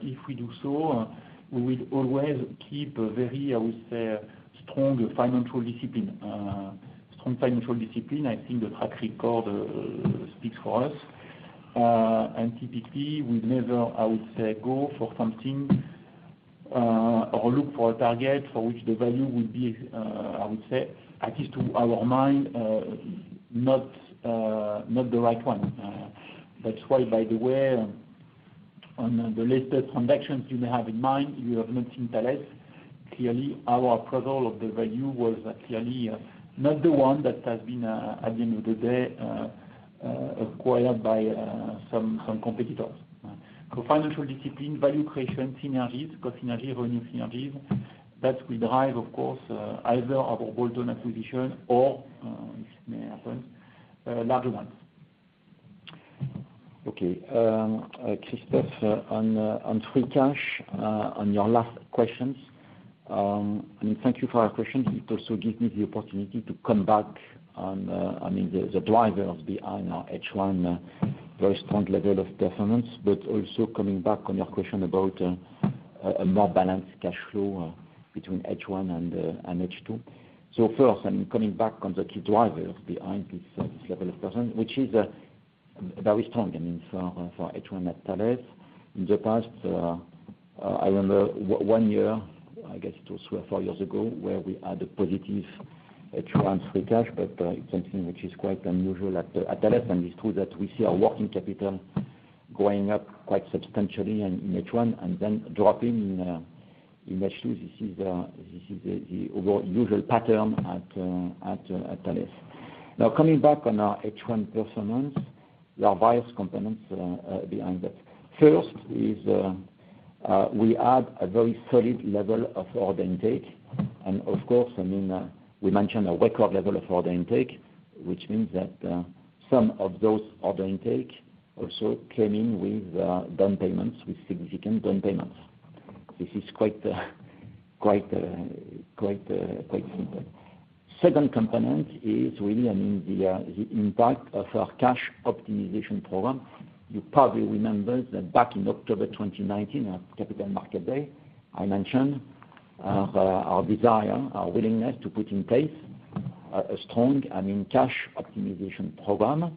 if we do so, we will always keep a very, I would say, strong financial discipline. I think the track record speaks for us. Typically, we never, I would say, go for something or look for a target for which the value will be, I would say, at least to our mind, not the right one. That's why, by the way, on the latest transactions you may have in mind, you have not seen Thales. Clearly, our appraisal of the value was clearly not the one that has been at the end of the day acquired by some competitors. Financial discipline, value creation, synergies, cost synergies, revenue synergies that will drive, of course, either our bolt-on acquisition or, if it may happen, larger ones. Okay. Christophe, on free cash, on your last questions, thank you for your question. It also gives me the opportunity to come back on, I mean, the drivers behind our H1 very strong level of performance, but also coming back on your question about a more balanced cash flow between H1 and H2. First, I mean, coming back on the key drivers behind this level of performance, which is very strong, I mean, for H1 at Thales. In the past, I remember one year, I guess it was three or four years ago, where we had a positive H1 free cash, but it's something which is quite unusual at Thales. It's true that we see our working capital going up quite substantially in H1 and then dropping in H2. This is the usual pattern at Thales. Now coming back on our H1 performance, there are various components behind that. First is we had a very solid level of order intake. Of course, I mean, we mentioned a record level of order intake, which means that some of those order intake also came in with down payments, with significant down payments. This is quite simple. Second component is really, I mean, the impact of our cash optimization program. You probably remember that back in October 2019 at Capital Markets Day, I mentioned our desire, our willingness to put in place a strong, I mean, cash optimization program.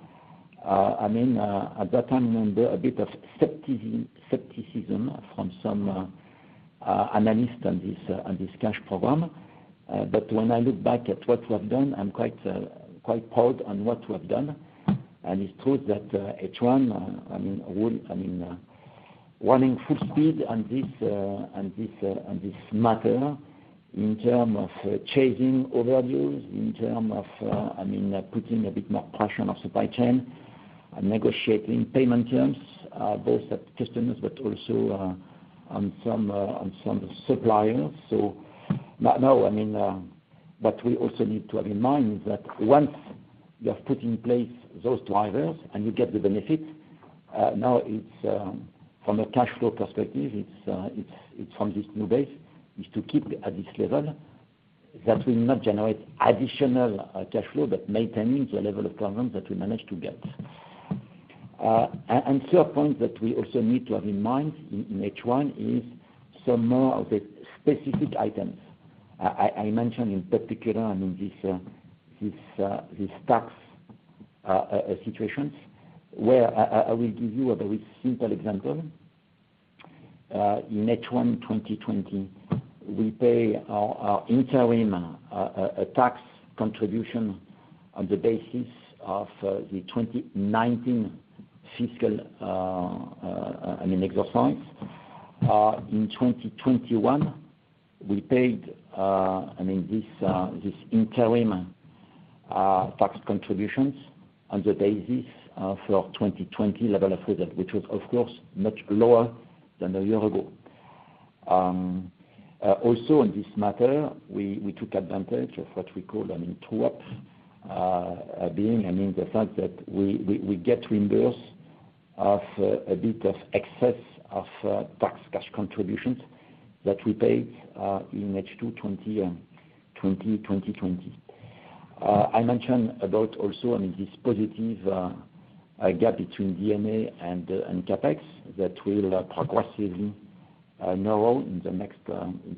At that time, remember a bit of skepticism from some analysts on this cash program. When I look back at what we have done, I'm quite proud of what we have done. It's true that, H1, I mean, we're running full speed on this matter in terms of chasing overages, in terms of, I mean, putting a bit more pressure on supply chain and negotiating payment terms, both at customers but also on some suppliers. Now, I mean, what we also need to have in mind that once you have put in place those drivers and you get the benefit, now it's from a cash flow perspective, it's from this new base is to keep at this level that will not generate additional cash flow, but maintaining the level of program that we managed to get. Third point that we also need to have in mind in H1 is some more of the specific items. I mentioned in particular, I mean this tax situations where I will give you a very simple example. In H1 2020, we pay our interim tax contribution on the basis of the 2019 fiscal, I mean, exercise. In 2021, we paid interim tax contributions on the basis for 2020 level of result, which was of course much lower than the year ago. Also in this matter, we took advantage of what we call a true-up, being, I mean, the fact that we get reimbursed of a bit of excess of tax cash contributions that we paid in H2 2020. I mentioned about also, I mean, this positive gap between D&A and CapEx that will progressively narrow in the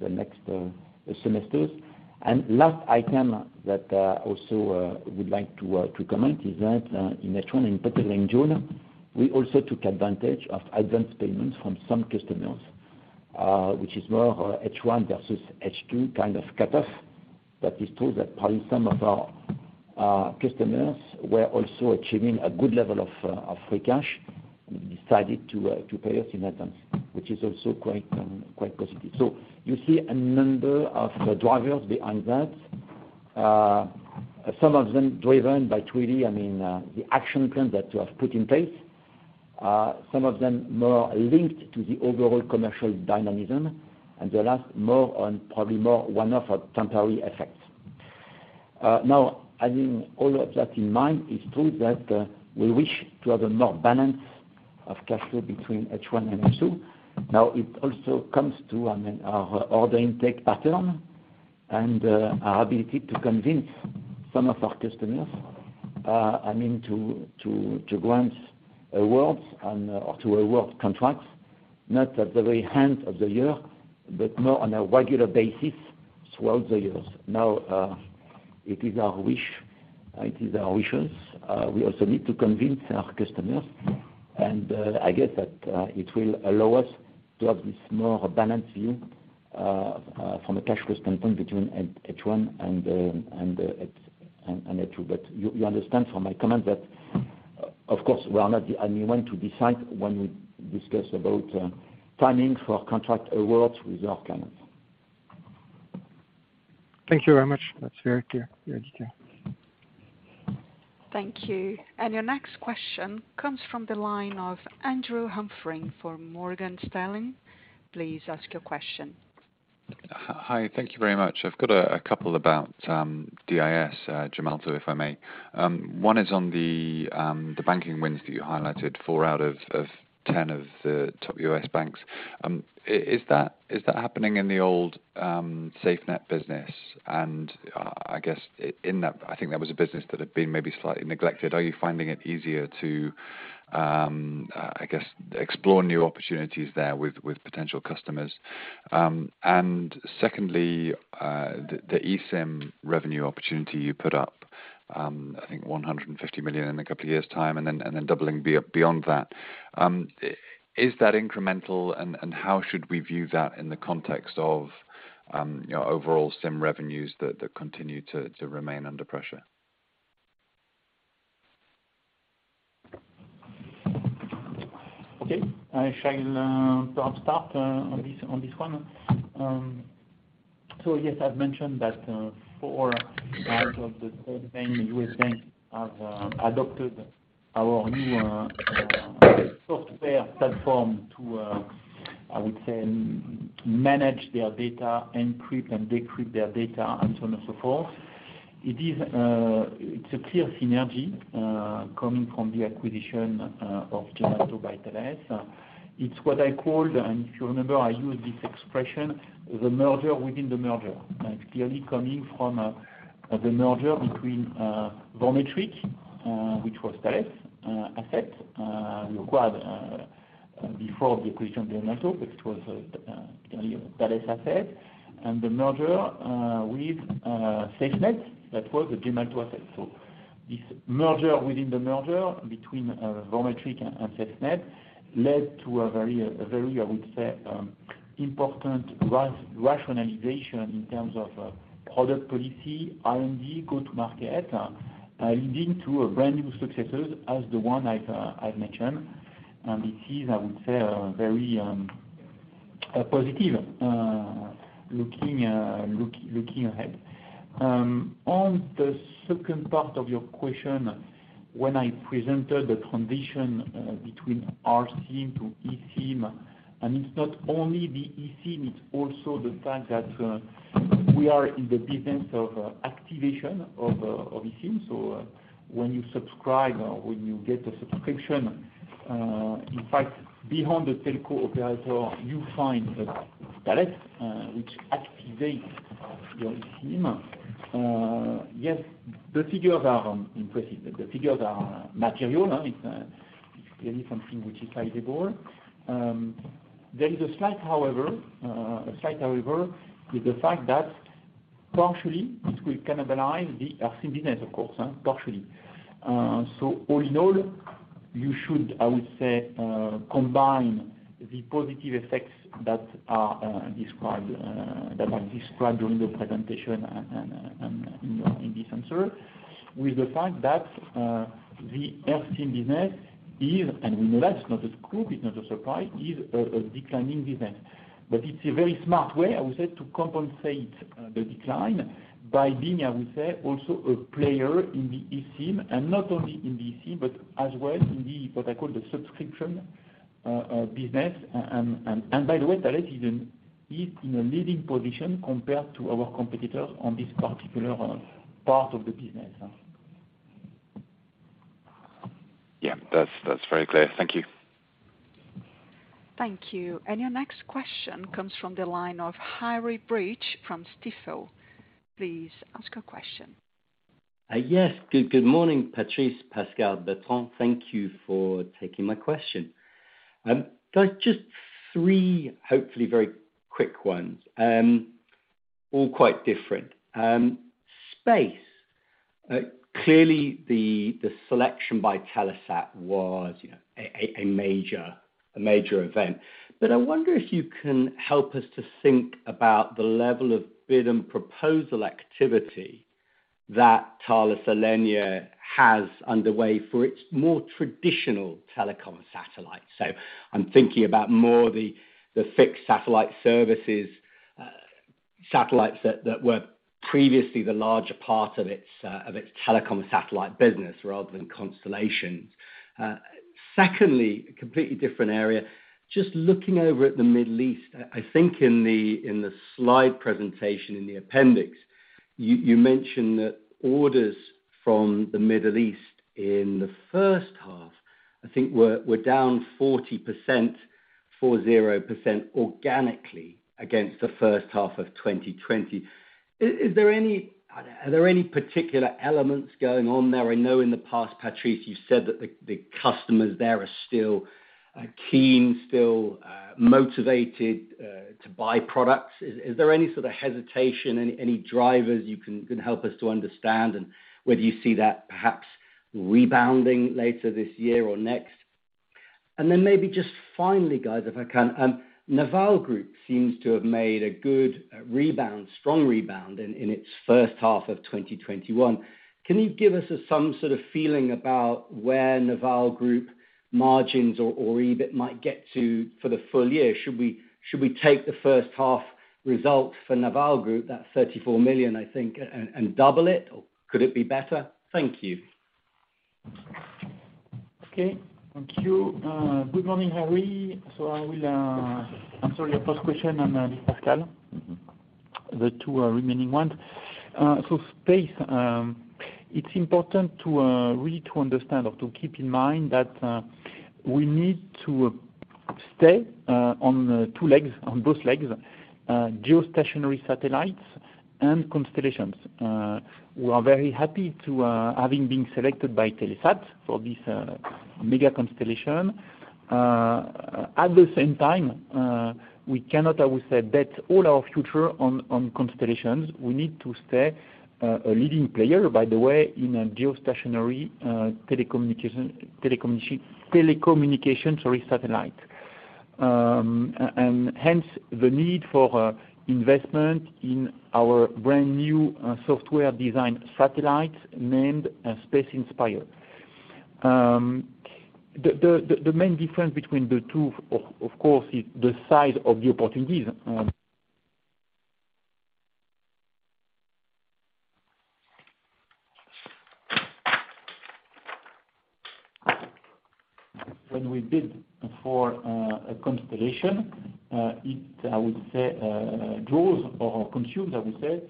next semesters. Last item that also would like to comment is that in H1, in particular in June, we also took advantage of advanced payments from some customers, which is more H1 versus H2 kind of cutoff. It's true that probably some of our customers were also achieving a good level of free cash and decided to pay us in advance, which is also quite positive. You see a number of drivers behind that, some of them driven by truly, I mean, the action plan that we have put in place, some of them more linked to the overall commercial dynamism, and the last more on probably more one-off or temporary effects. Now having all of that in mind, it's true that we wish to have more balance of cash flow between H1 and H2. Now, it also comes to, I mean, our order intake pattern and our ability to convince some of our customers, I mean, to grant awards and or to award contracts, not at the very end of the year, but more on a regular basis throughout the years. Now, it is our wish. It is our wishes. We also need to convince our customers, and I guess that it will allow us to have this more balanced view from a cash flow standpoint between H1 and H2. You understand from my comment that of course, we are not the only one to decide when we discuss about timing for contract awards with our clients. Thank you very much. That's very clear. Very clear. Thank you. Your next question comes from the line of Andrew Humphrey for Morgan Stanley. Please ask your question. Hi. Thank you very much. I've got a couple about DIS, Gemalto, if I may. One is on the banking wins that you highlighted, four out of 10 of the top U.S. banks. Is that happening in the old SafeNet business? I guess in that, I think that was a business that had been maybe slightly neglected. Are you finding it easier to, I guess, explore new opportunities there with potential customers? Secondly, the eSIM revenue opportunity you put up, I think 150 million in a couple of years' time and then doubling beyond that. Is that incremental, and how should we view that in the context of your overall SIM revenues that continue to remain under pressure? Okay. I shall perhaps start on this, on this one. Yes, I've mentioned that four out of the top ten U.S. banks have adopted our new software platform to I would say manage their data, encrypt and decrypt their data, and so on and so forth. It's a clear synergy coming from the acquisition of Gemalto by Thales. It's what I called, and if you remember, I used this expression, the merger within the merger. It's clearly coming from the merger between Vormetric, which was Thales' asset we acquired before the acquisition of Gemalto, which was clearly a Thales asset, and the merger with SafeNet, that was a Gemalto asset. This merger within the merger between Vormetric and SafeNet led to a very, I would say, important rationalization in terms of product policy, R&D, go-to-market, leading to brand new successes as the one I've mentioned. This is, I would say, very positive looking ahead. On the second part of your question, when I presented the transition between R-SIM to eSIM, and it's not only the eSIM, it's also the fact that we are in the business of activation of eSIM. When you subscribe or when you get a subscription, in fact, behind the telco operator, you find Thales which activates your eSIM. Yes, the figures are impressive. The figures are material. It's clearly something which is sizable. There is a slight however with the fact that partially this will cannibalize the R-SIM business of course, partially. All in all, you should, I would say, combine the positive effects that are described that I described during the presentation and in this answer with the fact that the R-SIM business is, and we know that's not a scoop, it's not a surprise, is a declining business. It's a very smart way, I would say, to compensate the decline by being, I would say, also a player in the eSIM, and not only in the eSIM, but as well in the what I call the subscription. business. By the way, Thales is in a leading position compared to our competitors on this particular part of the business. Yeah, that's very clear. Thank you. Thank you. Your next question comes from the line of Harry Breach from Stifel. Please ask your question. Good morning, Patrice, Pascal, Bertrand. Thank you for taking my question. Just three hopefully very quick ones, all quite different. Space. Clearly the selection by Telesat was, you know, a major event. I wonder if you can help us to think about the level of bid and proposal activity that Thales Alenia has underway for its more traditional telecom satellites. I'm thinking about more the fixed satellite services satellites that were previously the larger part of its telecom satellite business rather than constellations. Secondly, a completely different area. Just looking over at the Middle East, I think in the slide presentation in the appendix, you mentioned that orders from the Middle East in the first half were down 40% organically against the first half of 2020. Are there any particular elements going on there? I know in the past, Patrice, you've said that the customers there are still keen, still motivated to buy products. Is there any sort of hesitation, any drivers you can help us to understand and whether you see that perhaps rebounding later this year or next? Then maybe just finally, guys, if I can, Naval Group seems to have made a good rebound, strong rebound in its first half of 2021. Can you give us some sort of feeling about where Naval Group margins or EBIT might get to for the full year? Should we take the first half results for Naval Group, that 34 million, I think, and double it, or could it be better? Thank you. Okay. Thank you. Good morning, Harry. I will answer your first question, and Pascal. Mm-hmm the two remaining ones. Space. It's important to really to understand or to keep in mind that we need to stay on two legs, on both legs, geostationary satellites and constellations. We are very happy to having been selected by Telesat for this mega constellation. At the same time, we cannot, I would say, bet all our future on constellations. We need to stay a leading player, by the way, in a geostationary telecommunications satellite. And hence, the need for investment in our brand-new software design satellite named Space Inspire. The main difference between the two, of course, is the size of the opportunities. When we bid for a constellation, it, I would say, draws or consumes, I would say,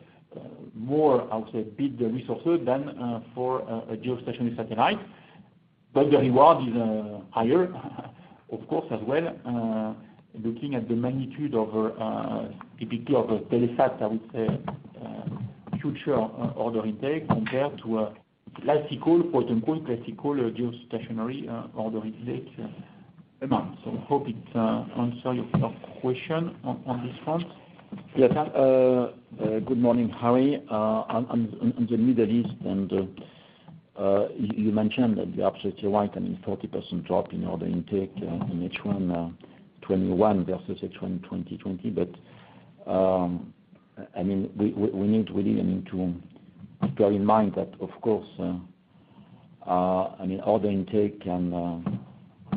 more, I would say, bid resources than for a geostationary satellite. The reward is higher of course as well. Looking at the magnitude of, typically of a Telesat, I would say, future order intake compared to a classical, quote-unquote, geostationary order intake amount. I hope it answers your question on this front. Yes. Good morning, Harry. On the Middle East and you mentioned, and you're absolutely right, I mean, 40% drop in order intake in H1 2021 versus H1 2020. We need really to bear in mind that, of course, order intake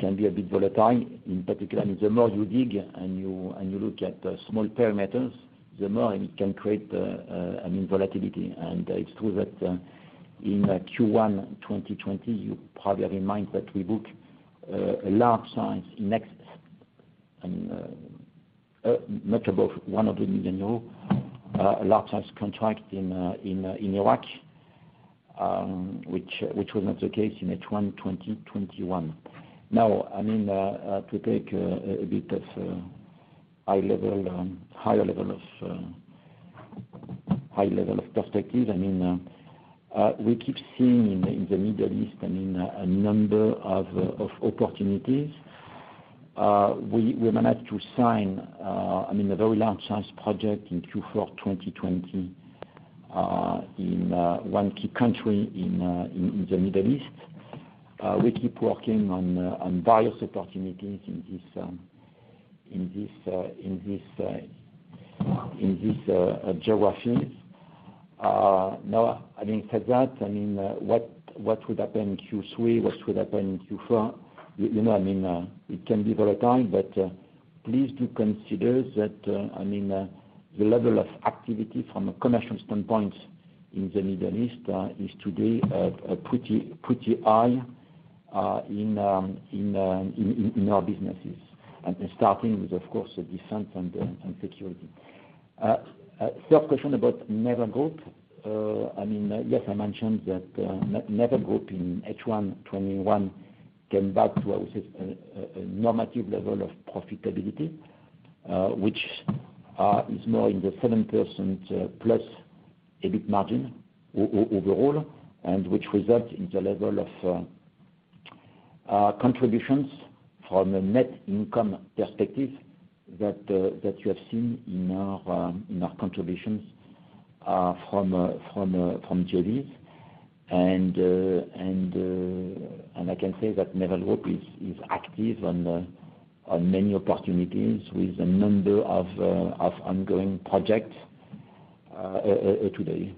can be a bit volatile. In particular, I mean, the more you dig and you look at small parameters, the more it can create, I mean, volatility. It's true that in Q1 2020, you probably have in mind that we book a large size contract in excess of much above EUR 100 million in Iraq, which was not the case in H1 2021. Now, I mean, to take a bit of high level perspective, I mean, we keep seeing in the Middle East, I mean, a number of opportunities. We managed to sign, I mean, a very large size project in Q4 2020, in one key country in the Middle East. We keep working on various opportunities in these geographies. Now, having said that, I mean, what would happen in Q3? What would happen in Q4? You know, I mean, it can be volatile, but please do consider that, I mean, the level of activity from a commercial standpoint in the Middle East is today pretty high in our businesses. They're starting with, of course, the defense and security. Third question about Naval Group. I mean, yes, I mentioned that Naval Group in H1 2021 came back to, I would say, a normative level of profitability, which is now in the 7% plus EBIT margin overall, and which results in the level of contributions from a net income perspective that you have seen in our contributions from GEODIS. I can say that Naval Group is active on many opportunities with a number of ongoing projects today.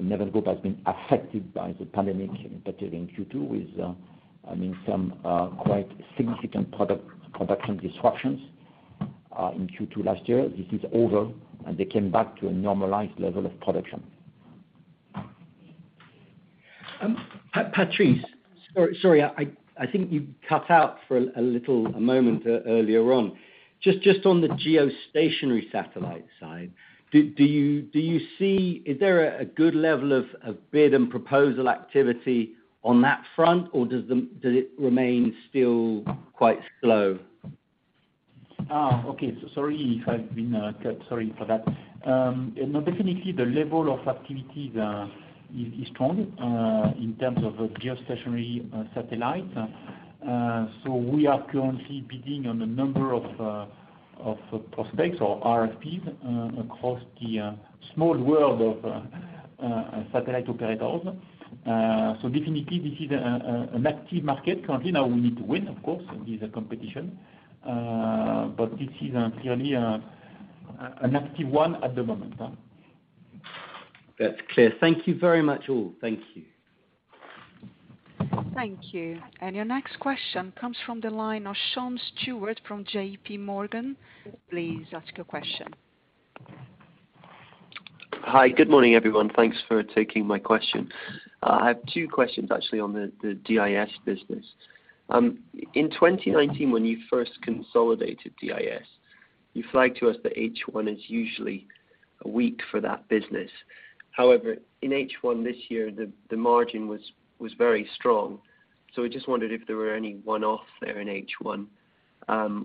Naval Group has been affected by the pandemic, particularly in Q2 with I mean some quite significant production disruptions in Q2 last year. This is over, and they came back to a normalized level of production. Patrice, sorry, I think you cut out for a little moment earlier on. Just on the geostationary satellite side, do you see? Is there a good level of bid and proposal activity on that front, or does it remain still quite slow? Okay. Sorry if I've been cut. Sorry for that. No, definitely the level of activities is strong in terms of geostationary satellites. We are currently bidding on a number of prospects or RFPs across the small world of satellite operators. Definitely this is an active market currently. Now, we need to win, of course. This is a competition. This is clearly an active one at the moment. That's clear. Thank you very much, all. Thank you. Thank you. Your next question comes from the line of Sean Stewart from JPMorgan. Please ask your question. Hi. Good morning, everyone. Thanks for taking my question. I have two questions actually on the DIS business. In 2019 when you first consolidated DIS, you flagged to us that H1 is usually weak for that business. However, in H1 this year, the margin was very strong. I just wondered if there were any one-off there in H1,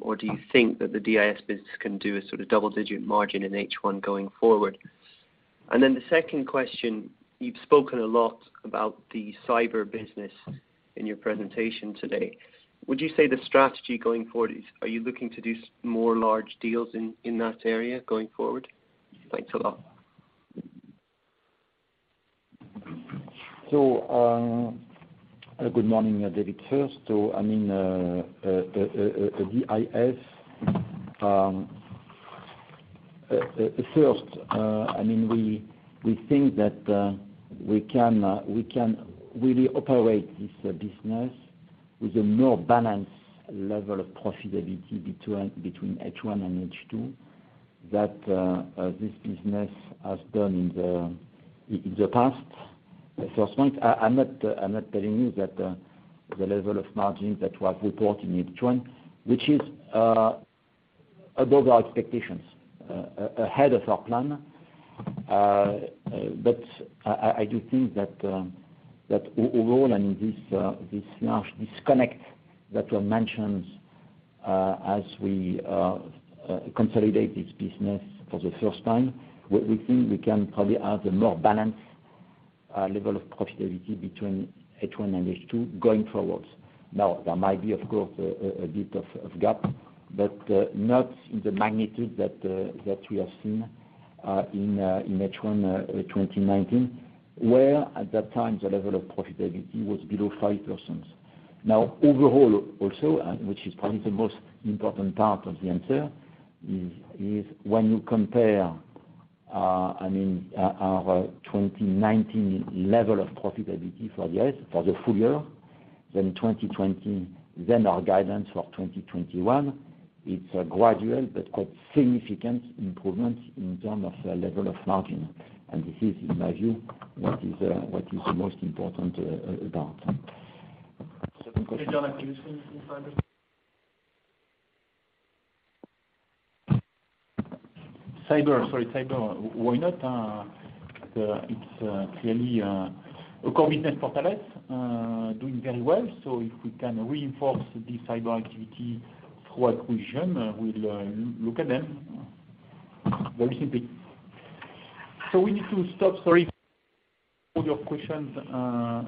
or do you think that the DIS business can do a sort of double-digit margin in H1 going forward? Then the second question, you've spoken a lot about the cyber business in your presentation today. Would you say the strategy going forward, are you looking to do more large deals in that area going forward? Thanks a lot. Good morning, David. First, I mean, DIS, we think that we can really operate this business with a more balanced level of profitability between H1 and H2 than this business has done in the past. The first point, I'm not telling you that the level of margins that was reported in H1, which is above our expectations, ahead of our plan. I do think that overall and this large disconnect that you mentioned as we consolidate this business for the first time, we think we can probably have a more balanced level of profitability between H1 and H2 going forwards. Now, there might be, of course, a bit of a gap, but not in the magnitude that we have seen in H1 2019, where at that time, the level of profitability was below 5%. Now, overall also, which is probably the most important part of the answer, is when you compare, I mean, our 2019 level of profitability for the full year, then 2020, then our guidance for 2021, it is a gradual but quite significant improvement in terms of the level of margin. This is, in my view, what is the most important about. Second question. Can you tell me please inside the- Cyber. Sorry. Cyber. Why not? It's clearly a core business for Thales doing very well. If we can reinforce the cyber activity through acquisition, we'll look at them very simply. We need to stop, sorry, all your questions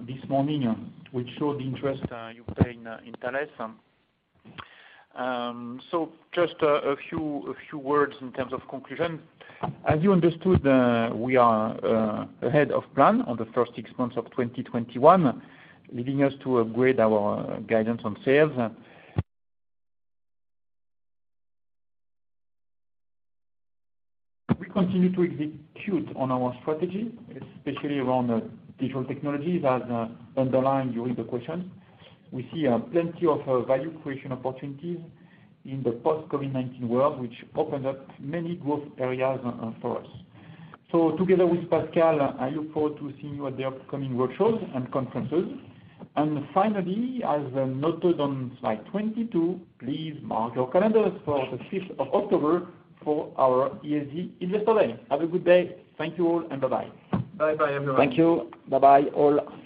this morning, which show the interest you pay in Thales. Just a few words in terms of conclusion. As you understood, we are ahead of plan on the first six months of 2021, leading us to upgrade our guidance on sales. We continue to execute on our strategy, especially around digital technologies as underlined during the question. We see plenty of value creation opportunities in the post-COVID-19 world, which opened up many growth areas for us. Together with Pascal, I look forward to seeing you at the upcoming workshops and conferences. Finally, as noted on slide 22, please mark your calendars for the fifth of October for our ESG Investor Day. Have a good day. Thank you all, and bye-bye. Bye. Bye, everyone. Thank you. Bye-bye, all.